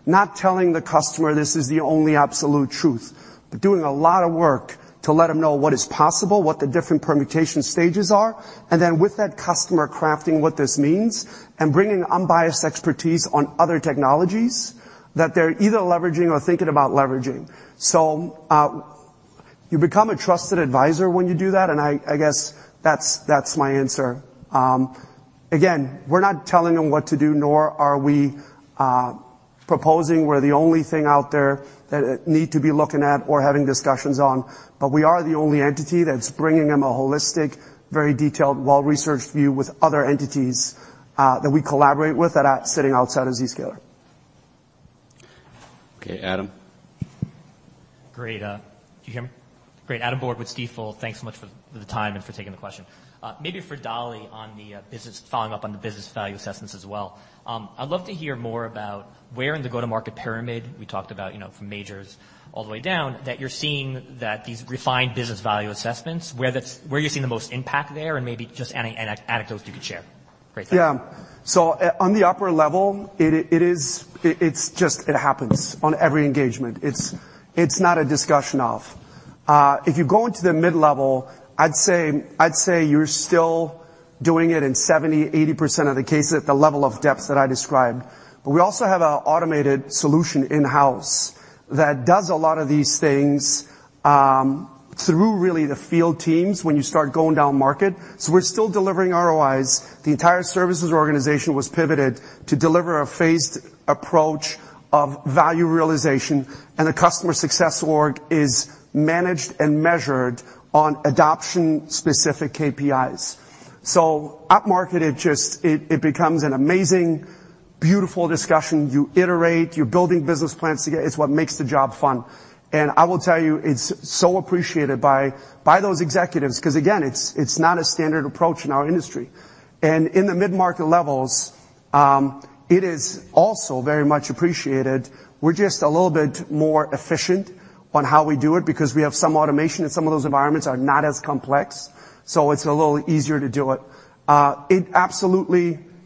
Not telling the customer this is the only absolute truth, but doing a lot of work to let them know what is possible, what the different permutation stages are, and then with that customer, crafting what this means, and bringing unbiased expertise on other technologies that they're either leveraging or thinking about leveraging. You become a trusted advisor when you do that, and I guess that's my answer. Again, we're not telling them what to do, nor are we proposing we're the only thing out there that they need to be looking at or having discussions on. We are the only entity that's bringing them a holistic, very detailed, well-researched view with other entities that we collaborate with that are sitting outside of Zscaler. Okay, Adam. Great. Do you hear me? Great. Adam Borg with Stifel. Thanks so much for the time and for taking the question. Maybe for Dali on the following up on the business value assessments as well. I'd love to hear more about where in the go-to-market pyramid, we talked about, you know, from majors all the way down, that you're seeing that these refined business value assessments, where you're seeing the most impact there, and maybe just any anecdotes you could share. Great, thanks. Yeah. On the upper level, it's just, it happens on every engagement. It's not a discussion of. If you go into the mid-level, I'd say you're still doing it in 70%-80% of the cases at the level of depth that I described. We also have an automated solution in-house that does a lot of these things through really the field teams when you start going down market. We're still delivering ROIs. The entire services organization was pivoted to deliver a phased approach of value realization, and the customer success org is managed and measured on adoption-specific KPIs. Upmarket, it just becomes an amazing, beautiful discussion. You iterate, you're building business plans together. It's what makes the job fun. I will tell you, it's so appreciated by those executives, 'cause again, it's not a standard approach in our industry. In the mid-market levels, it is also very much appreciated. We're just a little bit more efficient on how we do it because we have some automation, and some of those environments are not as complex, so it's a little easier to do it. It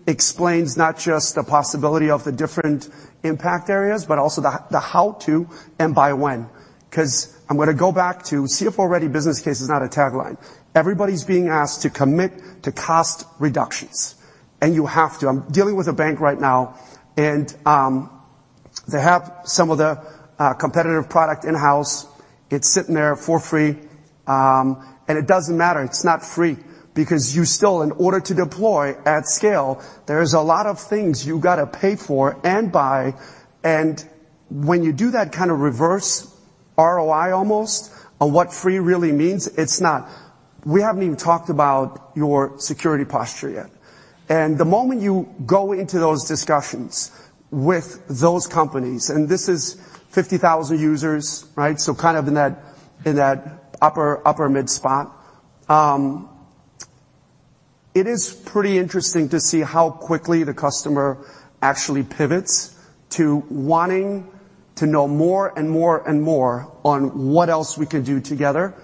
absolutely explains not just the possibility of the different impact areas, but also the how-to and by when. 'Cause I'm gonna go back to CFO-ready business case is not a tagline. Everybody's being asked to commit to cost reductions, and you have to. I'm dealing with a bank right now, and they have some of the competitive product in-house. It's sitting there for free, and it doesn't matter, it's not free, because you still, in order to deploy at scale, there's a lot of things you've got to pay for and buy. When you do that kind of reverse ROI almost on what free really means, it's not. We haven't even talked about your security posture yet. The moment you go into those discussions with those companies, and this is 50,000 users, right? So kind of in that, in that upper mid spot. It is pretty interesting to see how quickly the customer actually pivots to wanting to know more and more and more on what else we can do together,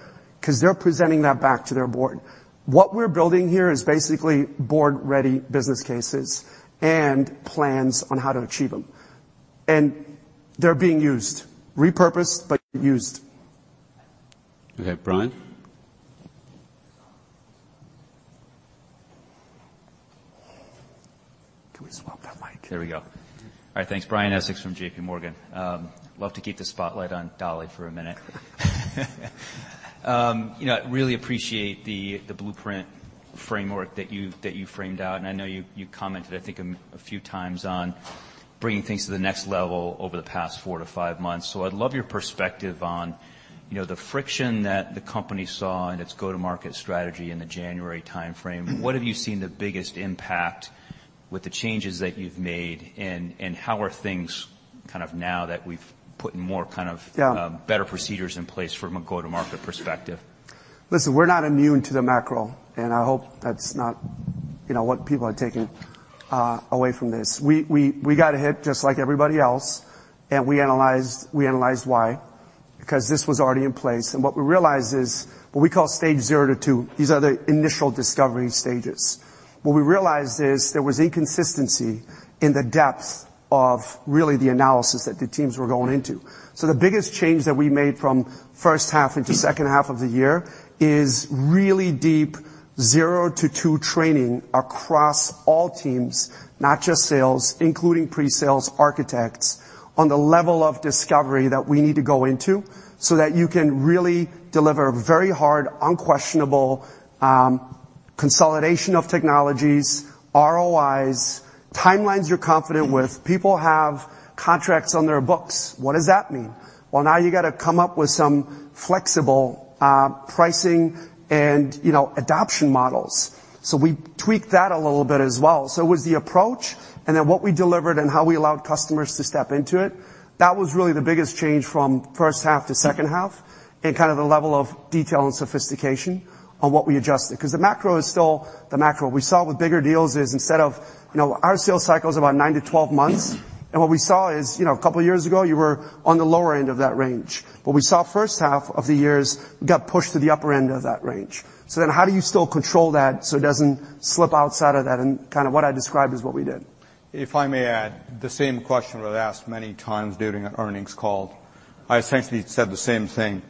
'cause they're presenting that back to their board. What we're building here is basically board-ready business cases and plans on how to achieve them. They're being used, repurposed, but used. Okay, Brian? Can we swap the mic? There we go. All right, thanks. Brian Essex from JPMorgan. love to keep the spotlight on Dali for a minute. you know, I really appreciate the blueprint framework that you framed out, and I know you commented, I think, a few times on bringing things to the next level over the past four to five months. I'd love your perspective on, you know, the friction that the company saw in its go-to-market strategy in the January timeframe. What have you seen the biggest impact with the changes that you've made, and how are things kind of now that we've put more kind of? Yeah... better procedures in place from a go-to-market perspective? Listen, we're not immune to the macro, I hope that's not, you know, what people are taking away from this. We got hit just like everybody else, we analyzed why, 'cause this was already in place. What we realized is what we call stage 0 to 2. These are the initial discovery stages. What we realized is there was inconsistency in the depth of really the analysis that the teams were going into. The biggest change that we made from first half into second half of the year is really deep 0 to 2 training across all teams, not just sales, including pre-sales architects, on the level of discovery that we need to go into, so that you can really deliver very hard, unquestionable consolidation of technologies, ROIs, timelines you're confident with. People have contracts on their books. What does that mean? Well, now you gotta come up with some flexible pricing and, you know, adoption models. We tweaked that a little bit as well. It was the approach, and then what we delivered and how we allowed customers to step into it. That was really the biggest change from first half to second half, and kind of the level of detail and sophistication on what we adjusted. 'Cause the macro is still the macro. We saw with bigger deals is instead of. You know, our sales cycle is about 9-12 months, and what we saw is, you know, a couple of years ago, you were on the lower end of that range. What we saw first half of the years, got pushed to the upper end of that range. How do you still control that so it doesn't slip outside of that? Kind of what I described is what we did. If I may add, the same question was asked many times during our earnings call. I essentially said the same thing,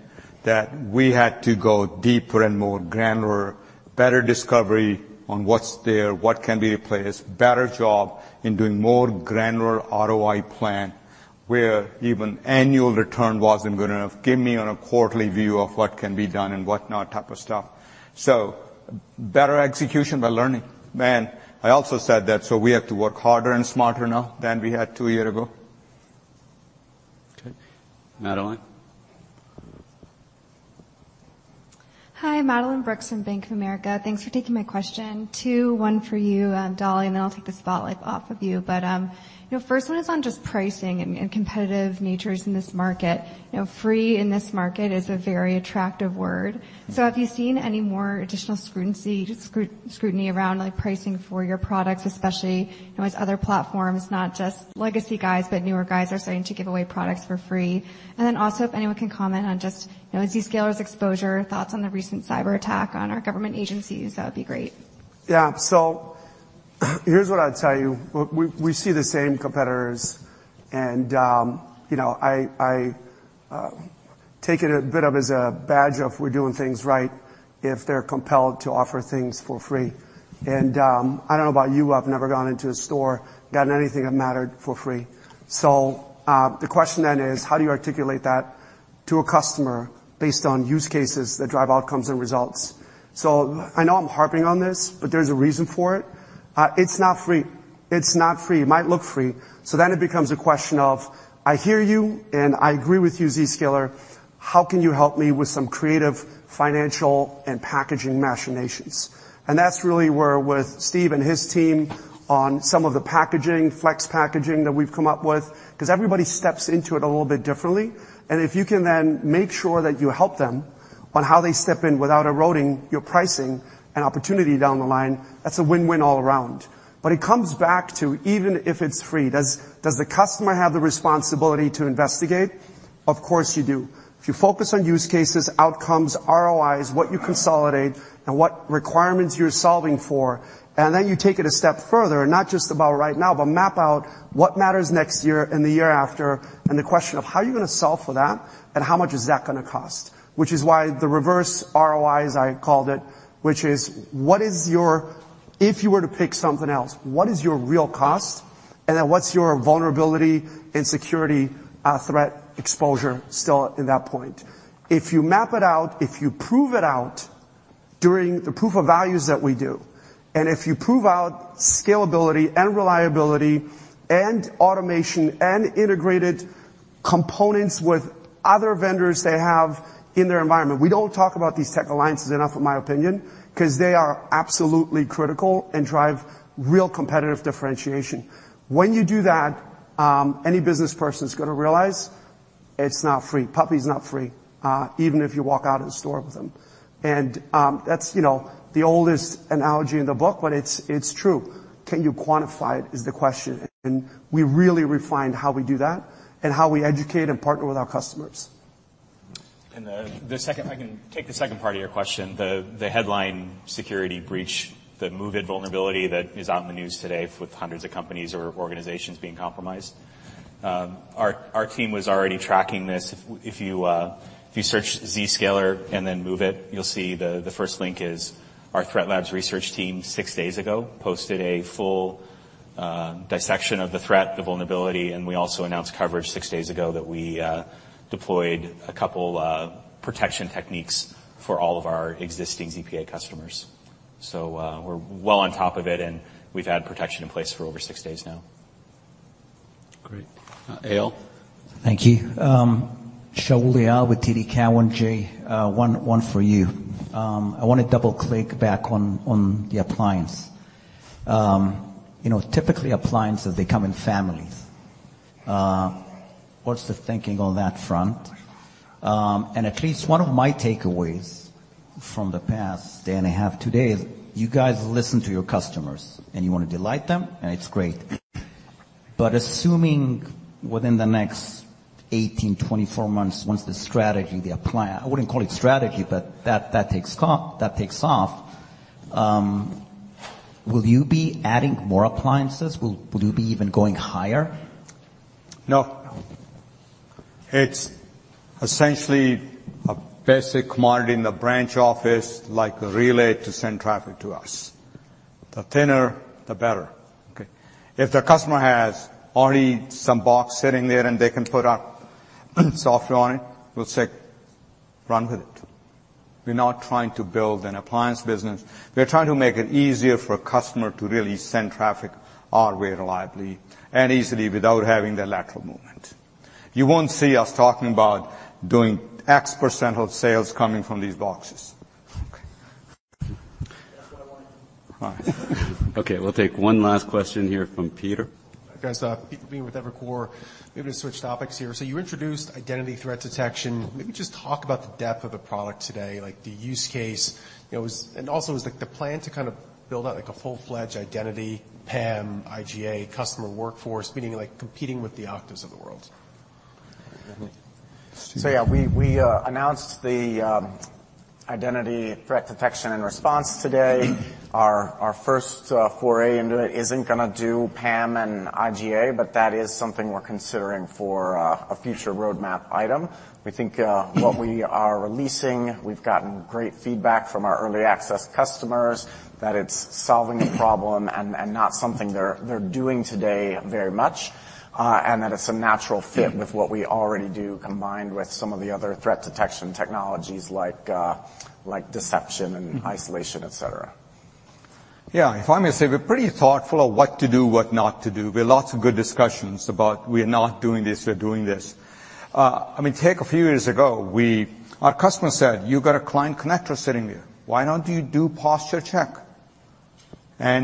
that we had to go deeper and more granular, better discovery on what's there, what can be in place, better job in doing more granular ROI plan, where even annual return wasn't good enough. Give me on a quarterly view of what can be done and whatnot type of stuff. Better execution by learning. Man, I also said that, we have to work harder and smarter now than we had two year ago. Okay. Madeline? Hi, Madeline Brooks from Bank of America. Thanks for taking my question. Two, one for you, Dali, and then I'll take the spotlight off of you. You know, first one is on just pricing and competitive natures in this market. You know, free in this market is a very attractive word. Have you seen any more additional scrutiny around, like, pricing for your products, especially, you know, as other platforms, not just legacy guys, but newer guys are starting to give away products for free? If anyone can comment on just, you know, Zscaler's exposure, thoughts on the recent cyberattack on our government agencies, that would be great. Yeah. Here's what I'd tell you. We see the same competitors, you know, I take it a bit of as a badge if we're doing things right, if they're compelled to offer things for free. I don't know about you, I've never gone into a store, gotten anything that mattered for free. The question then is, how do you articulate that to a customer based on use cases that drive outcomes and results? I know I'm harping on this, but there's a reason for it. It's not free. It's not free. It might look free. It becomes a question of, "I hear you, and I agree with you, Zscaler, how can you help me with some creative financial and packaging machinations?" That's really where, with Steve and his team on some of the packaging, flex packaging that we've come up with, 'cause everybody steps into it a little bit differently. If you can then make sure that you help them on how they step in without eroding your pricing and opportunity down the line, that's a win-win all around. It comes back to even if it's free, does the customer have the responsibility to investigate? Of course, you do. If you focus on use cases, outcomes, ROIs, what you consolidate, and what requirements you're solving for, and then you take it a step further, not just about right now, but map out what matters next year and the year after, and the question of how are you gonna solve for that, and how much is that gonna cost? Which is why the reverse ROIs, I called it, which is, If you were to pick something else, what is your real cost? What's your vulnerability and security threat exposure still at that point? If you map it out, if you prove it out during the proof of values that we do, and if you prove out scalability and reliability and automation and integrated components with other vendors they have in their environment... We don't talk about these tech alliances enough, in my opinion, 'cause they are absolutely critical and drive real competitive differentiation. When you do that, any business person is gonna. It's not free. Puppy's not free, even if you walk out of the store with them. That's, you know, the oldest analogy in the book, but it's true. Can you quantify it, is the question, and we really refined how we do that and how we educate and partner with our customers. If I can take the second part of your question, the headline security breach, the MOVEit vulnerability that is out in the news today with hundreds of companies or organizations being compromised. Our team was already tracking this. If you search Zscaler and then MOVEit, you'll see the first link is our threat labs research team, six days ago, posted a full dissection of the threat, the vulnerability, and we also announced coverage six days ago that we deployed a couple of protection techniques for all of our existing ZPA customers. We're well on top of it, and we've had protection in place for over six days now. Great. Shaul? Thank you. Shaul Eyal with TD Cowen, Jay, one for you. I wanna double-click back on the appliance. You know, typically, appliances, they come in families. What's the thinking on that front? At least one of my takeaways from the past day and a half, today, is you guys listen to your customers, and you wanna delight them, and it's great. Assuming within the next 18, 24 months, once the strategy, I wouldn't call it strategy, but that takes off, will you be adding more appliances? Will you be even going higher? No. It's essentially a basic commodity in the branch office, like the relay to send traffic to us. The thinner, the better, okay? If the customer has already some box sitting there, and they can put our software on it, we'll say, "Run with it." We're not trying to build an appliance business. We're trying to make it easier for a customer to really send traffic our way reliably and easily without having the lateral movement. You won't see us talking about doing X% of sales coming from these boxes. Okay. All right. Okay, we'll take one last question here from Peter. Guys, Peter Levine with Evercore. Maybe to switch topics here. You introduced Identity Threat Detection. Maybe just talk about the depth of the product today, like the use case, you know. Also, is, like, the plan to kind of build out, like, a full-fledged identity, PAM, IGA, customer workforce, meaning, like, competing with the Okta of the world? Stephen. Yeah, we announced the Identity Threat Detection and Response today. Our first foray into it isn't gonna do PAM and IGA, but that is something we're considering for a future roadmap item. We think what we are releasing, we've gotten great feedback from our early access customers, that it's solving a problem and not something they're doing today very much, and that it's a natural fit with what we already do, combined with some of the other threat detection technologies like deception and isolation, et cetera. Yeah, if I may say, we're pretty thoughtful of what to do, what not to do. There are lots of good discussions about we're not doing this, we're doing this. I mean take a few years ago, our customer said, "You've got a Client Connector sitting there. Why don't you do posture check?"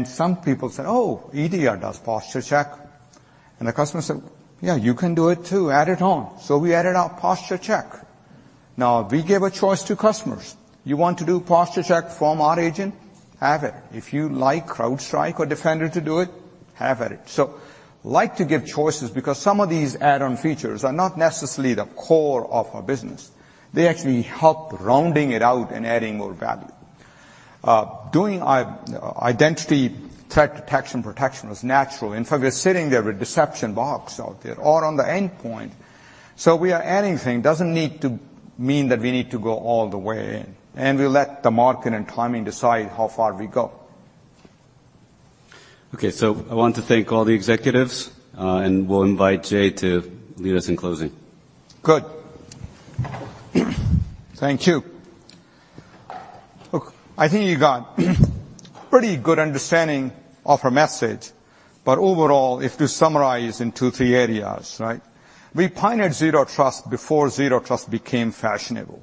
Some people said: "Oh, EDR does posture check." The customer said: "Yeah, you can do it too, add it on." We added our posture check. Now, we give a choice to customers. You want to do posture check from our agent? Have it. If you like CrowdStrike or Defender to do it, have at it. Like to give choices because some of these add-on features are not necessarily the core of our business. They actually help rounding it out and adding more value. Doing identity threat detection protection was natural. In fact, we're sitting there with deception box out there or on the endpoint, we are adding thing. Doesn't need to mean that we need to go all the way in, we'll let the market and timing decide how far we go. Okay, I want to thank all the executives, and we'll invite Jay to lead us in closing. Good. Thank you. Look, I think you got pretty good understanding of our message, but overall, if to summarize in 2, 3 areas, right? We pioneered Zero Trust before Zero Trust became fashionable.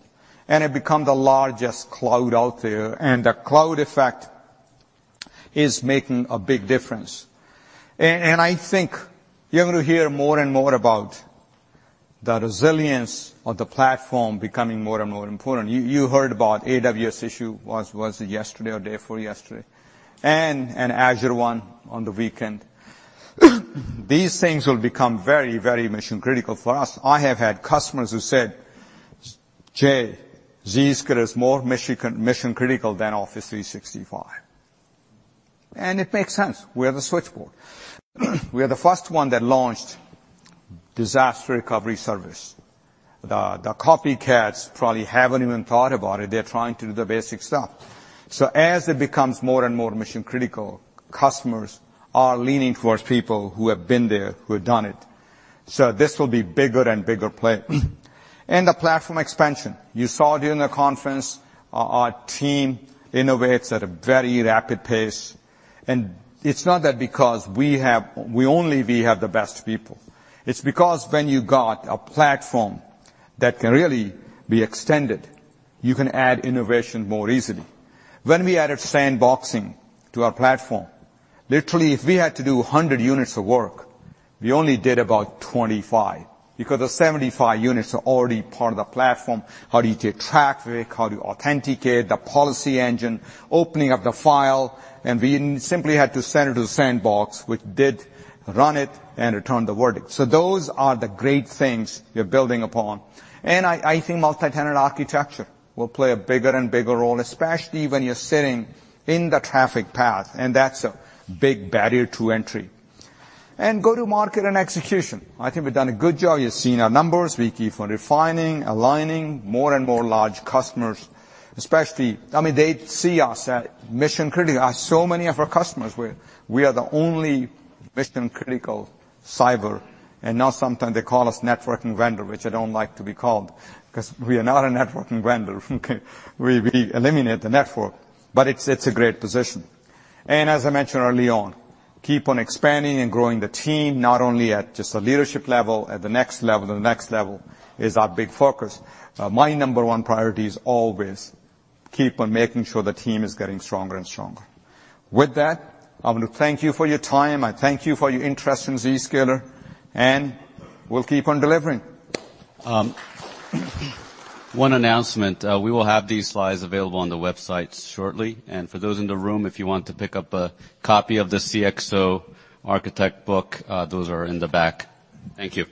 It become the largest cloud out there. The cloud effect is making a big difference. I think you're going to hear more and more about the resilience of the platform becoming more and more important. You heard about AWS issue, was it yesterday or day before yesterday? An Azure one on the weekend. These things will become very, very mission-critical for us. I have had customers who said: "Jay, Zscaler is more mission critical than Microsoft 365." It makes sense. We are the switchboard. We are the first one that launched disaster recovery service. The copycats probably haven't even thought about it. They're trying to do the basic stuff. As it becomes more and more mission-critical, customers are leaning towards people who have been there, who have done it. This will be bigger and bigger play. The platform expansion. You saw during the conference, our team innovates at a very rapid pace, and it's not that because we only we have the best people. It's because when you got a platform that can really be extended, you can add innovation more easily. When we added sandboxing to our platform, literally, if we had to do 100 units of work, we only did about 25 because the 75 units are already part of the platform, how to take traffic, how to authenticate, the policy engine, opening up the file, and we simply had to send it to the sandbox, which did run it and return the verdict. Those are the great things we're building upon. I think multitenant architecture will play a bigger and bigger role, especially when you're sitting in the traffic path, and that's a big barrier to entry. Go-to-market and execution. I think we've done a good job. You've seen our numbers. We keep on refining, aligning more and more large customers, especially... I mean, they see us at mission-critical. Many of our customers, we are the only mission-critical cyber, and now, sometimes they call us networking vendor, which I don't like to be called, 'cause we are not a networking vendor. We eliminate the network, but it's a great position. As I mentioned early on, keep on expanding and growing the team, not only at just the leadership level, at the next level, the next level is our big focus. My number 1 priority is always keep on making sure the team is getting stronger and stronger. With that, I want to thank you for your time. I thank you for your interest in Zscaler, and we'll keep on delivering. One announcement, we will have these slides available on the website shortly. For those in the room, if you want to pick up a copy of the CXO Architect book, those are in the back. Thank you.